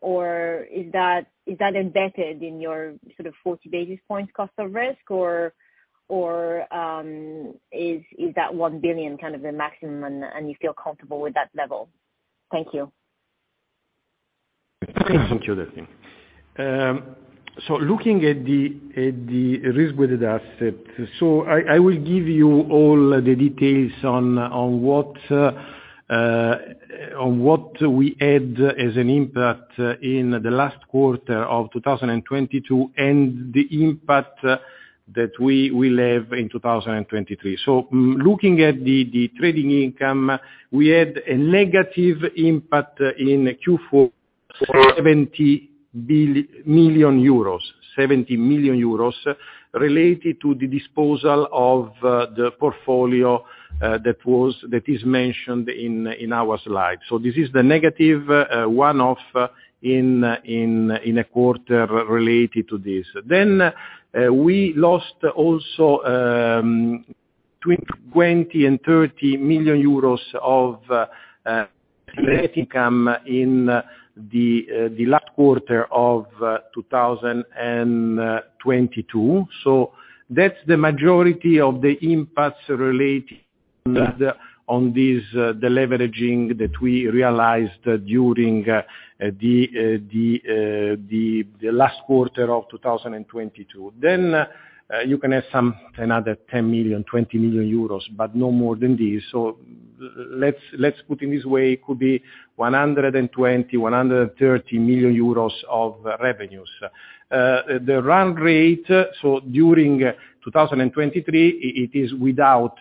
or is that embedded in your sort of 40 basis points cost of risk or is that 1 billion kind of the maximum and you feel comfortable with that level? Thank you. Thank you, Delphine. Looking at the risk-weighted asset, I will give you all the details on what we had as an impact in the last quarter of 2022, and the impact that we will have in 2023. Looking at the trading income, we had a negative impact in Q4, 70 million euros related to the disposal of the portfolio that was, that is mentioned in our slides. This is the negative one-off in a quarter related to this. We lost also 20 and 30 million of net income in the last quarter of 2022. That's the majority of the impacts relating on this, the leveraging that we realized during the last quarter of 2022. You can add some, another 10 million, 20 million euros, but no more than this. Let's put in this way, it could be 120 million-130 million euros of revenues. The run rate, during 2023, it is without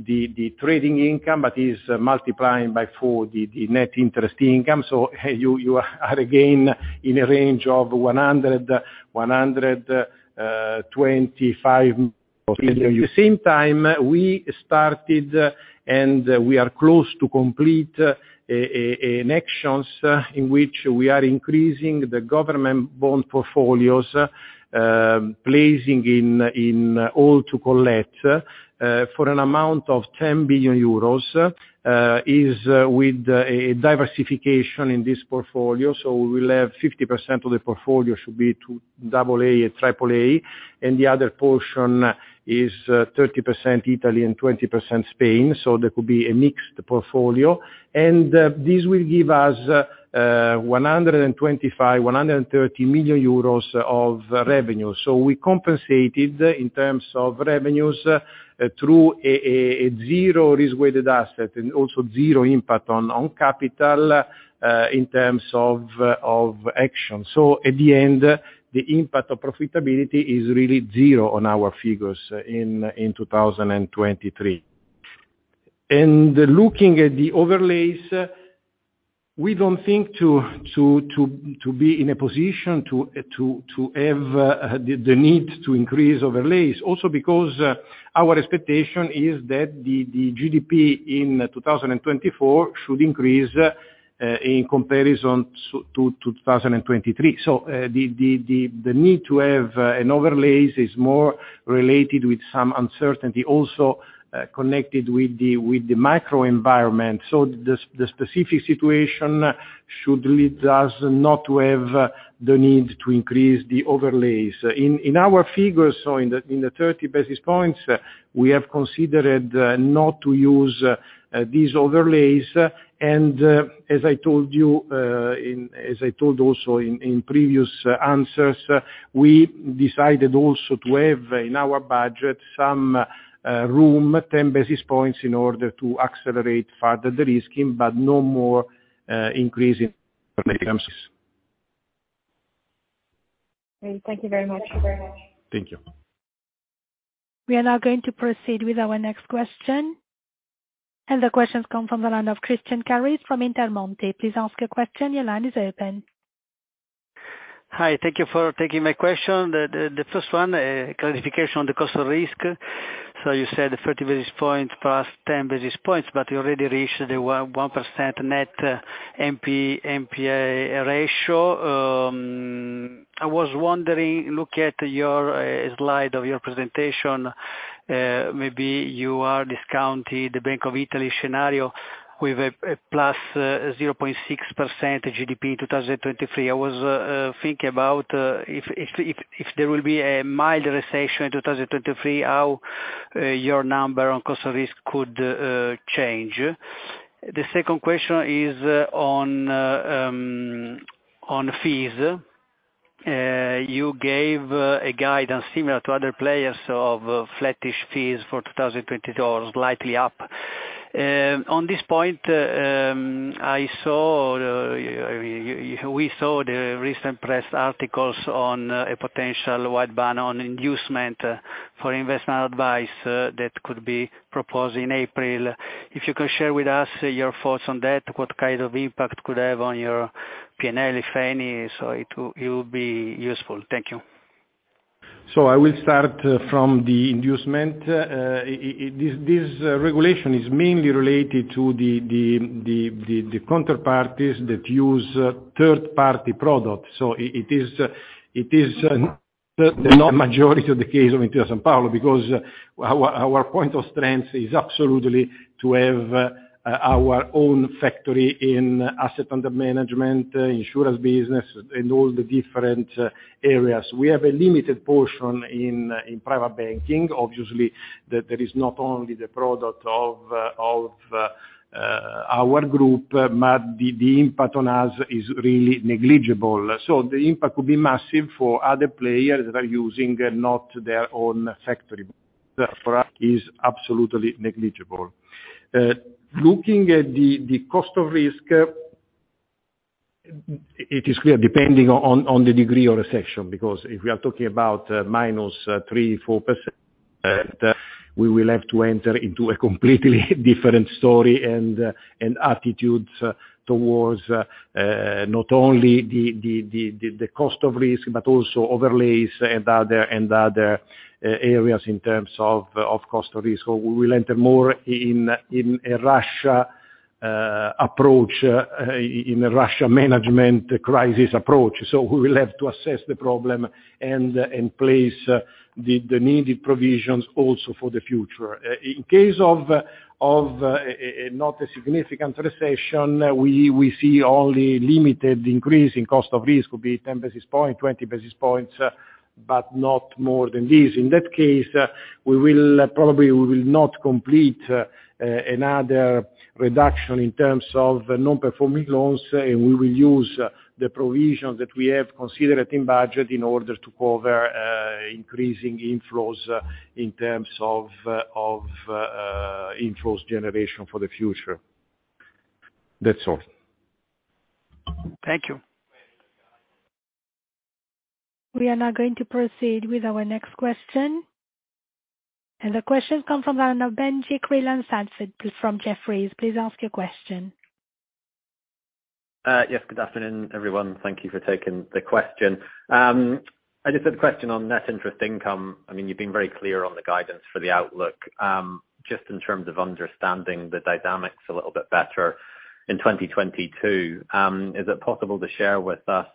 the trading income, but is multiplying by 4 the net interest income. You are again in a range of 100 million-125 million. At the same time, we started, and we are close to complete, actions in which we are increasing the government bond portfolios, placing in all to collect for an amount of 10 billion euros is with a diversification in this portfolio. We will have 50% of the portfolio should be to double A and triple A, and the other portion is 30% Italy and 20% Spain. That could be a mixed portfolio. This will give us 125 million-130 million euros of revenue. We compensated in terms of revenues through a zero-risk-weighted asset and also zero impact on capital in terms of action. At the end, the impact of profitability is really zero on our figures in 2023. Looking at the overlays, we don't think to be in a position to have the need to increase overlays. Because, our expectation is that the GDP in 2024 should increase in comparison to 2023. The need to have an overlays is more related with some uncertainty also connected with the microenvironment. The specific situation should lead us not to have the need to increase the overlays. In our figures, so in the 30 basis points, we have considered not to use these overlays. As I told you, and as I told also in previous answers, we decided also to have in our budget some room, 10 basis points in order to accelerate further de-risking, but no more increase in overlay comes. Thank you very much. Thank you. We are now going to proceed with our next question. The question comes from the line of Christian Carra from Intermonte. Please ask your question. Your line is open. Hi. Thank you for taking my question. The first one, clarification on the Cost of risk. You said 30 basis points plus 10 basis points, but you already reached the 0.1% net NPA ratio. I was wondering, look at your slide of your presentation, maybe you are discounting the Bank of Italy scenario with a plus 0.6% GDP 2023. I was thinking about if there will be a mild recession in 2023, how your number on Cost of risk could change. The second question is on fees. You gave a guide and similar to other players of flattish fees for $2,020, slightly up. On this point, I saw the... We saw the recent press articles on a potential wide ban on inducement for investment advice that could be proposed in April. If you could share with us your thoughts on that, what kind of impact could have on your P&L, if any, it will be useful. Thank you. I will start from the inducement. This regulation is mainly related to the counterparties that use third-party products. It is the not majority of the case of Intesa Sanpaolo because our point of strength is absolutely to have our own factory in asset under management, insurance business, and all the different areas. We have a limited portion in private banking. Obviously, that is not only the product of our group, but the impact on us is really negligible. The impact could be massive for other players that are using not their own factory. For us is absolutely negligible. Looking at the cost of risk, it is clear depending on the degree of recession. If we are talking about -3%-4%, we will have to enter into a completely different story and attitudes towards the cost of risk, but also overlays and other areas in terms of cost of risk. We will enter more in a Russia approach, in a Russia management crisis approach. We will have to assess the problem and place the needed provisions also for the future. In case of not a significant recession, we see only limited increase in cost of risk could be 10 basis points, 20 basis points, but not more than this. In that case, we will probably not complete another reduction in terms of the non-performing loans. We will use the provisions that we have considered in budget in order to cover increasing inflows in terms of inflows generation for the future. That's all. Thank you. We are now going to proceed with our next question. The question comes from the line of Benjie Creelan-Sandford from Jefferies. Please ask your question. Yes, good afternoon, everyone. Thank you for taking the question. I just had a question on net interest income. I mean, you've been very clear on the guidance for the outlook. Just in terms of understanding the dynamics a little bit better in 2022, is it possible to share with us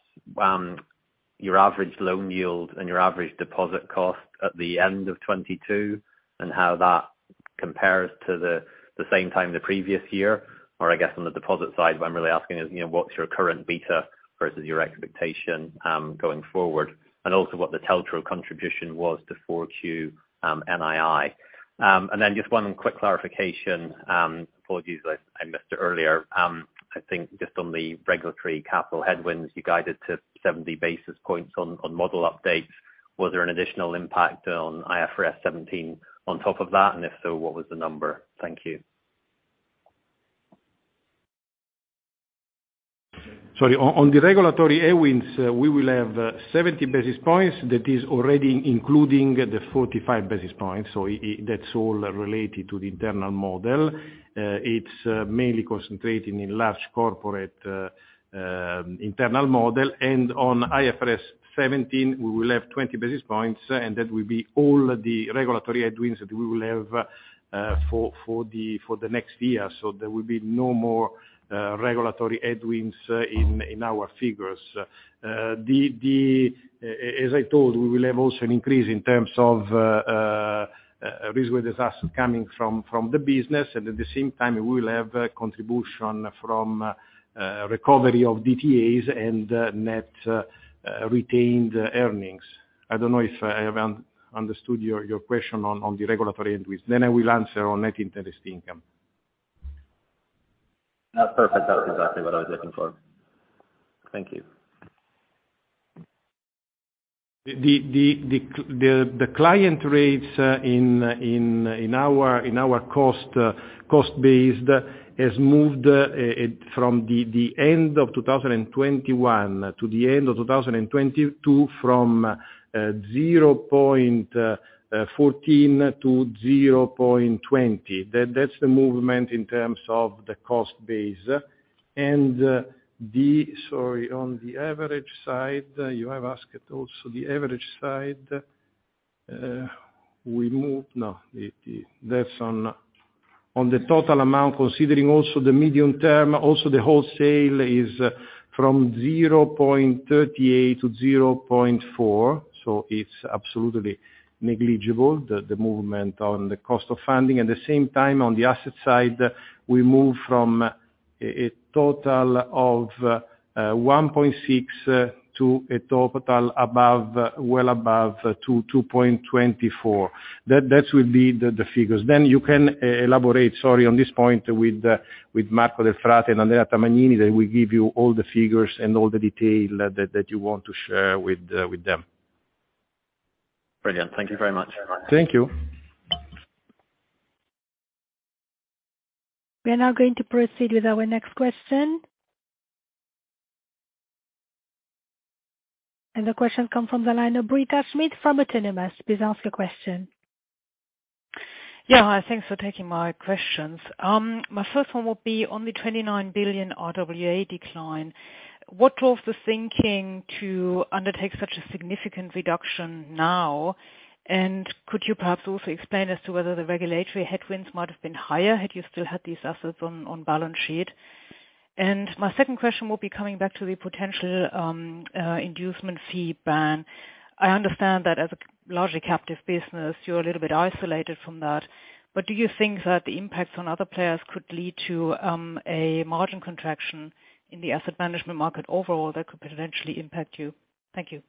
your average loan yield and your average deposit cost at the end of 2022 and how that compares to the same time the previous year? I guess on the deposit side, what I'm really asking is, you know, what's your current beta versus your expectation going forward? Also what the TLTRO contribution was to 4Q NII. Just one quick clarification, apologies if I missed it earlier. I think just on the regulatory capital headwinds, you guided to 70 basis points on model updates. Was there an additional impact on IFRS 17 on top of that? If so, what was the number? Thank you. On the regulatory headwinds, we will have 70 basis points. That is already including the 45 basis points. That's all related to the internal model. It's mainly concentrating in large corporate internal model. On IFRS 17, we will have 20 basis points, and that will be all the regulatory headwinds that we will have for the next year. There will be no more regulatory headwinds in our figures. The, as I told, we will have also an increase in terms of risk-weighted assets coming from the business. At the same time, we will have a contribution from recovery of DTAs and net retained earnings. I don't know if I have understood your question on the regulatory end, please. I will answer on net interest income. That's perfect. That was exactly what I was looking for. Thank you. The client rates in our cost base has moved from the end of 2021 to the end of 2022 from 0.14% to 0.20%. That's the movement in terms of the cost base. Sorry, on the average side, you have asked also the average side. The that's on the total amount, considering also the medium term, also the wholesale is from 0.38% to 0.4%, so it's absolutely negligible, the movement on the cost of funding. At the same time, on the asset side, we move from a total of 1.6% to a total above, well above 2.24%. That would be the figures. You can elaborate, sorry, on this point with Marco Delfrate and Andrea Tamagnini. They will give you all the figures and all the detail that you want to share with them. Brilliant. Thank you very much. Thank you. We are now going to proceed with our next question. The question come from the line of Britta Schmidt from Autonomous. Please ask the question. Yeah, hi. Thanks for taking my questions. My first one will be on the 29 billion RWA decline. What was the thinking to undertake such a significant reduction now? Could you perhaps also explain as to whether the regulatory headwinds might have been higher had you still had these assets on balance sheet? My second question will be coming back to the potential inducement fee ban. I understand that as a largely captive business, you're a little bit isolated from that. Do you think that the impacts on other players could lead to a margin contraction in the asset management market overall that could potentially impact you? Thank you.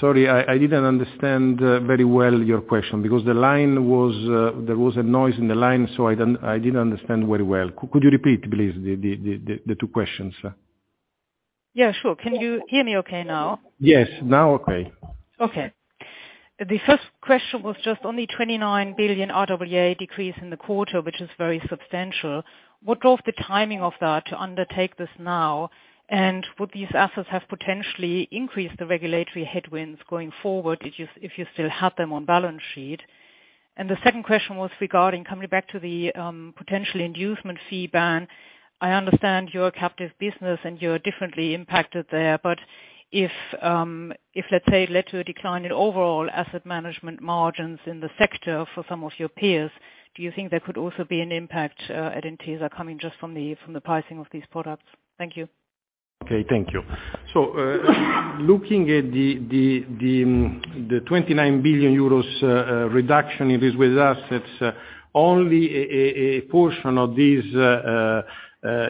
Sorry, I didn't understand very well your question because the line was... there was a noise in the line, so I didn't understand very well. Could you repeat, please, the two questions? Yeah, sure. Can you hear me okay now? Yes. Now okay. Okay. The first question was just on the 29 billion RWA decrease in the quarter, which is very substantial. What drove the timing of that to undertake this now? Would these assets have potentially increased the regulatory headwinds going forward if you still had them on balance sheet? The second question was regarding coming back to the potential inducement fee ban. I understand you're a captive business and you're differently impacted there, but if, let's say, it led to a decline in overall asset management margins in the sector for some of your peers, do you think there could also be an impact at Intesa coming just from the pricing of these products? Thank you. Okay, thank you. Looking at the 29 billion euros reduction in risk-weighted assets, only a portion of these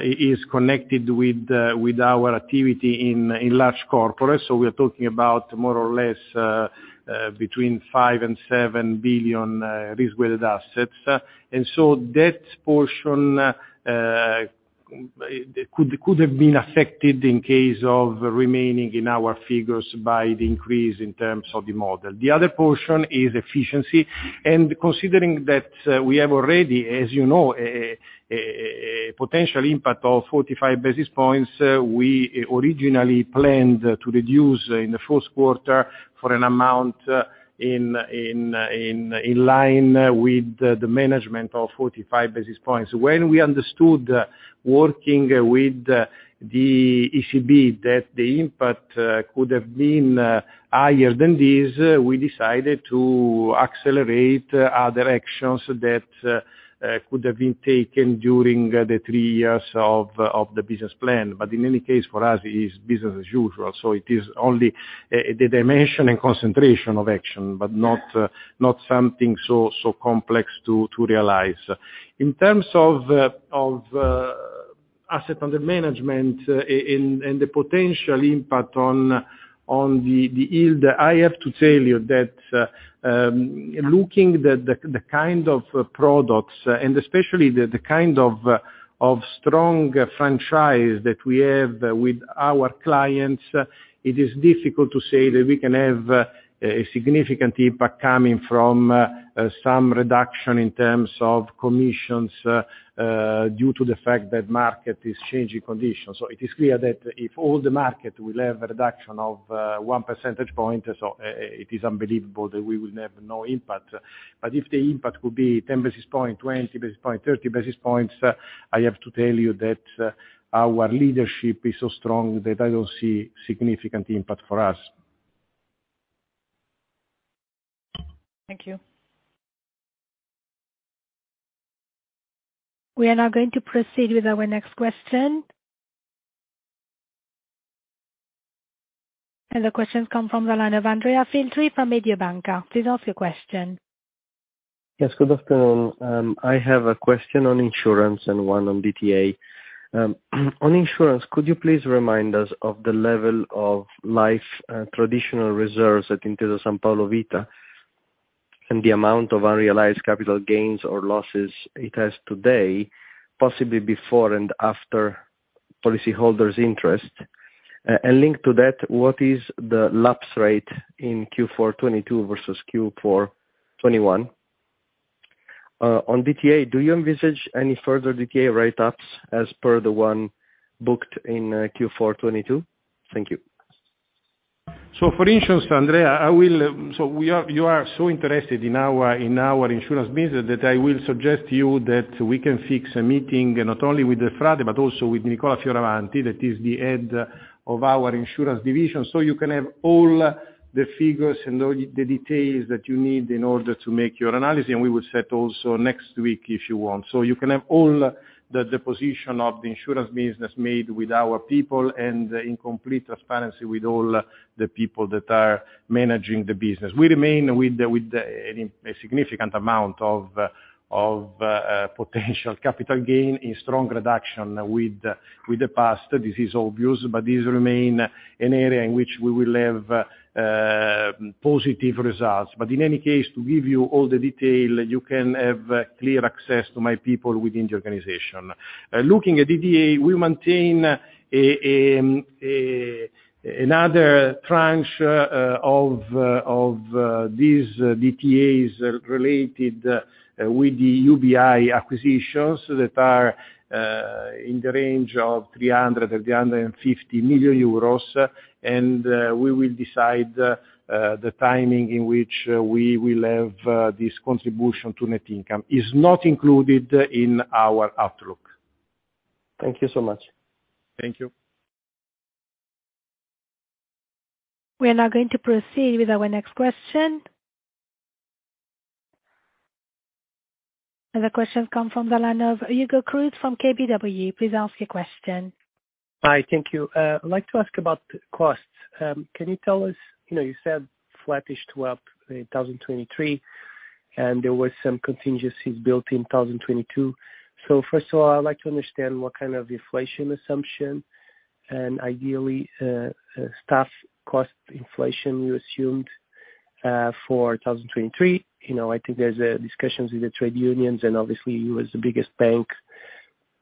is connected with our activity in large corporates. We're talking about more or less between 5 billion and 7 billion risk-weighted assets. That portion could have been affected in case of remaining in our figures by the increase in terms of the model. The other portion is efficiency. Considering that we have already, as you know, a potential impact of 45 basis points, we originally planned to reduce in the Q1 for an amount in line with the management of 45 basis points. When we understood, working with the ECB that the impact could have been higher than this, we decided to accelerate other actions that could have been taken during the three years of the business plan. In any case, for us, it's business as usual, so it is only the dimension and concentration of action, but not something so complex to realize. In terms of asset under management and the potential impact on the yield, I have to tell you that, looking the kind of products, and especially the kind of strong franchise that we have with our clients, it is difficult to say that we can have a significant impact coming from some reduction in terms of commissions due to the fact that market is changing conditions. It is clear that if all the market will have a reduction of 1 percentage point, it is unbelievable that we will have no impact. If the impact could be 10 basis point, 20 basis point, 30 basis points, I have to tell you that our leadership is so strong that I don't see significant impact for us. Thank you. We are now going to proceed with our next question. The question come from the line of Andrea Vercellone from Mediobanca. Please ask your question. Yes, good afternoon. I have a question on insurance and one on DTA. On insurance, could you please remind us of the level of life, traditional reserves at Intesa Sanpaolo Vita, and the amount of unrealized capital gains or losses it has today, possibly before and after policyholders' interest? And linked to that, what is the lapse rate in Q4 2022 versus Q4 2021? On DTA, do you envisage any further DTA write-ups as per the one booked in, Q4 2022? Thank you. For instance, Andrea, you are so interested in our, in our insurance business that I will suggest you that we can fix a meeting not only with Frade, but also with Nicola Fioravanti, that is the Head of our Insurance Division. You can have all the figures and all the details that you need in order to make your analysis. We will set also next week if you want. You can have all the position of the insurance business made with our people and in complete transparency with all the people that are managing the business. We remain with a significant amount of potential capital gain in strong reduction with the past. This is obvious, but this remain an area in which we will have positive results. In any case, to give you all the detail, you can have clear access to my people within the organization. Looking at DDA, we maintain another tranche of these DTAs related with the UBI acquisitions that are in the range of 300 million-350 million euros. We will decide the timing in which we will have this contribution to net income. Is not included in our outlook. Thank you so much. Thank you. We are now going to proceed with our next question. The question come from the line of Hugo Cruz from KBW. Please ask your question. Hi. Thank you. I'd like to ask about costs. Can you tell us, you know, you said flattish to up in 2023, and there were some contingencies built in 2022. First of all, I'd like to understand what kind of inflation assumption and ideally, staff cost inflation you assumed for 2023. You know, I think there's discussions with the trade unions and obviously you as the biggest bank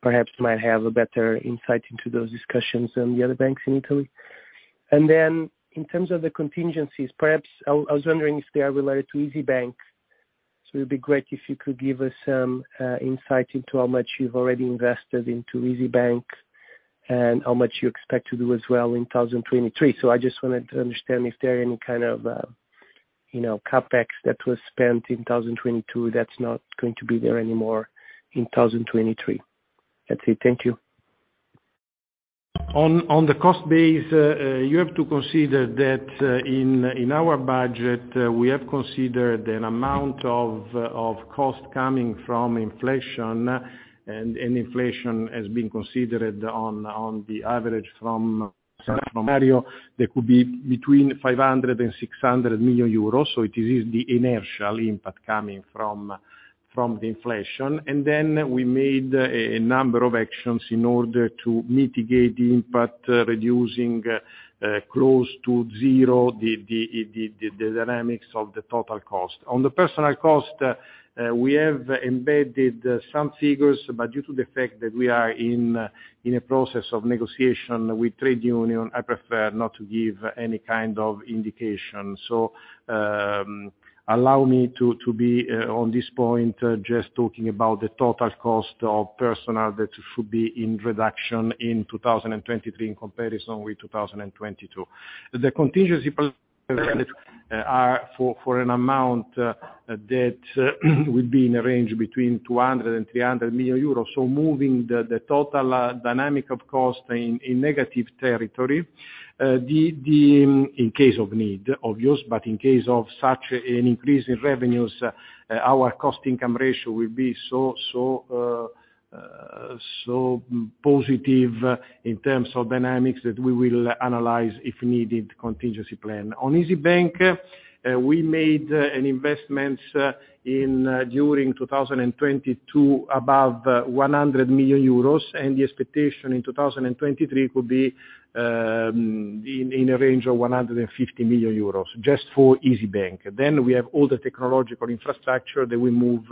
perhaps might have a better insight into those discussions than the other banks in Italy. In terms of the contingencies, perhaps I was wondering if they are related to Isybank. It would be great if you could give us some insight into how much you've already invested into Isybank and how much you expect to do as well in 2023. I just wanted to understand if there are any kind of, you know, CapEx that was spent in 2022 that's not going to be there anymore in 2023. That's it. Thank you. On the cost base, you have to consider that in our budget, we have considered an amount of cost coming from inflation, and inflation has been considered on the average from scenario that could be between 500 million euros and 600 million euros. It is the inertial impact coming from the inflation. Then we made a number of actions in order to mitigate the impact, reducing close to zero the dynamics of the total cost. On the personal cost, we have embedded some figures, but due to the fact that we are in a process of negotiation with trade union, I prefer not to give any kind of indication. allow me to be on this point, just talking about the total cost of personnel that should be in reduction in 2023 in comparison with 2022. The contingency are for an amount that would be in a range between 200 million euros and 300 million euros. Moving the total dynamic of cost in negative territory, in case of need, obvious, but in case of such an increase in revenues, our cost income ratio will be so positive in terms of dynamics that we will analyze if needed contingency plan. On Isybank, we made an investment in during 2022 above 100 million euros. The expectation in 2023 could be in a range of 150 million euros, just for Isybank. We have all the technological infrastructure that we move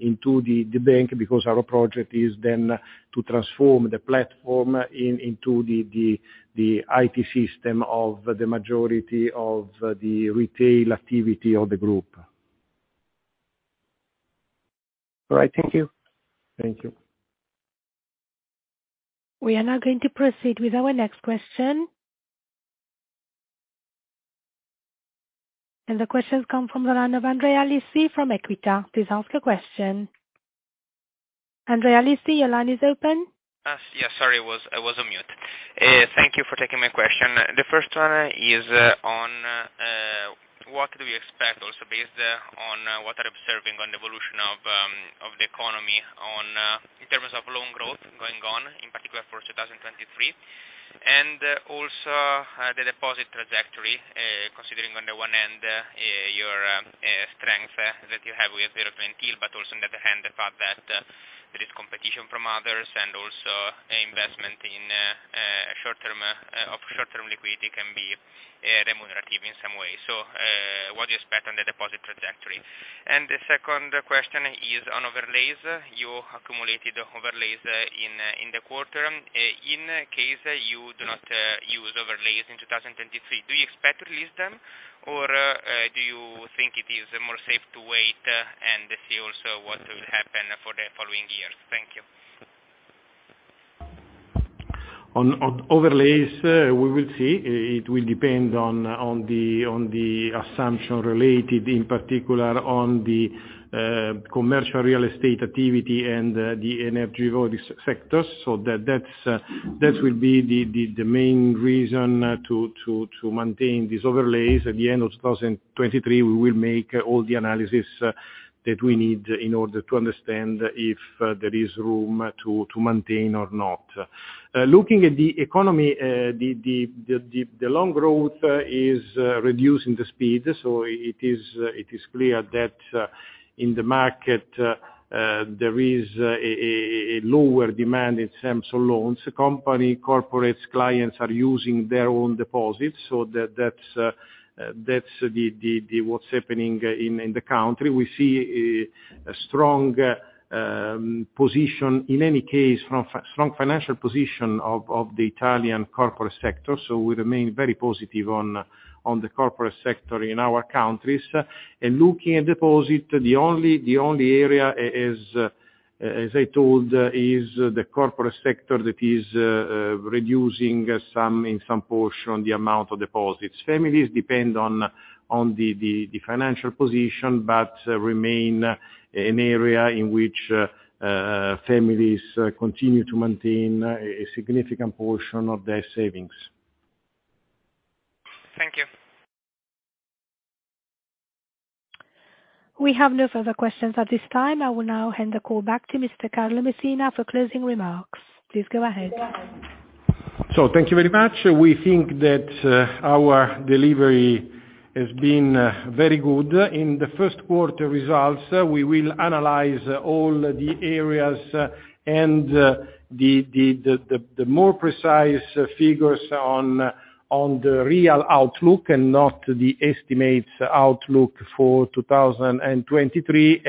into the bank because our project is then to transform the platform into the IT system of the majority of the retail activity of the group. All right. Thank you. Thank you. We are now going to proceed with our next question. The question come from the line of Andrea Lisi from Equita. Please ask your question. Andrea Lisi, your line is open. Yes, sorry, I was on mute. Thank you for taking my question. The first one is on what do you expect also based on what are observing on the evolution of the economy on in terms of loan growth going on, in particular for 2023, and also the deposit trajectory, considering on the one hand, your strength that you have with zero-ten yield, but also on the other hand, the fact that there is competition from others and also investment in short-term of short-term liquidity can be remunerative in some way. What do you expect on the deposit trajectory? The second question is on overlays. You accumulated overlays in the quarter. In case you do not use overlays in 2023, do you expect to release them or, do you think it is more safe to wait and see also what will happen for the following years? Thank you. On overlays, we will see. It will depend on the assumption related in particular on the commercial real estate activity and the energy sectors. That's the main reason to maintain these overlays. At the end of 2023, we will make all the analysis that we need in order to understand if there is room to maintain or not. Looking at the economy, the long growth is reducing the speed. It is clear that in the market, there is a lower demand in terms of loans. The company corporates clients are using their own deposits, that's the what's happening in the country. We see a strong position, in any case, strong financial position of the Italian corporate sector. We remain very positive on the corporate sector in our countries. Looking at deposit, the only area as I told is the corporate sector that is reducing some, in some portion, the amount of deposits. Families depend on the financial position, but remain an area in which families continue to maintain a significant portion of their savings. Thank you. We have no further questions at this time. I will now hand the call back to Mr. Carlo Messina for closing remarks. Please go ahead. Thank you very much. We think that our delivery has been very good. In the Q1 results, we will analyze all the areas and the more precise figures on the real outlook and not the estimates outlook for 2023.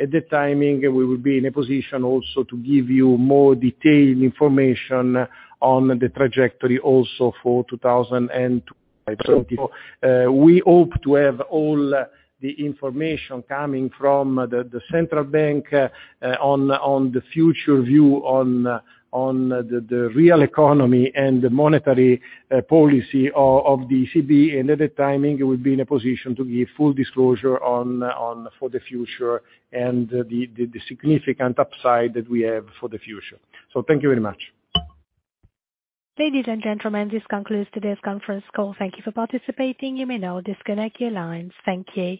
At the timing, we will be in a position also to give you more detailed information on the trajectory also for 2024. We hope to have all the information coming from the central bank on the future view on the real economy and the monetary policy of the ECB. At the timing, we'll be in a position to give full disclosure on for the future and the significant upside that we have for the future. Thank you very much. Ladies and gentlemen, this concludes today's Conference Call. Thank you for participating. You may now disconnect your lines. Thank you.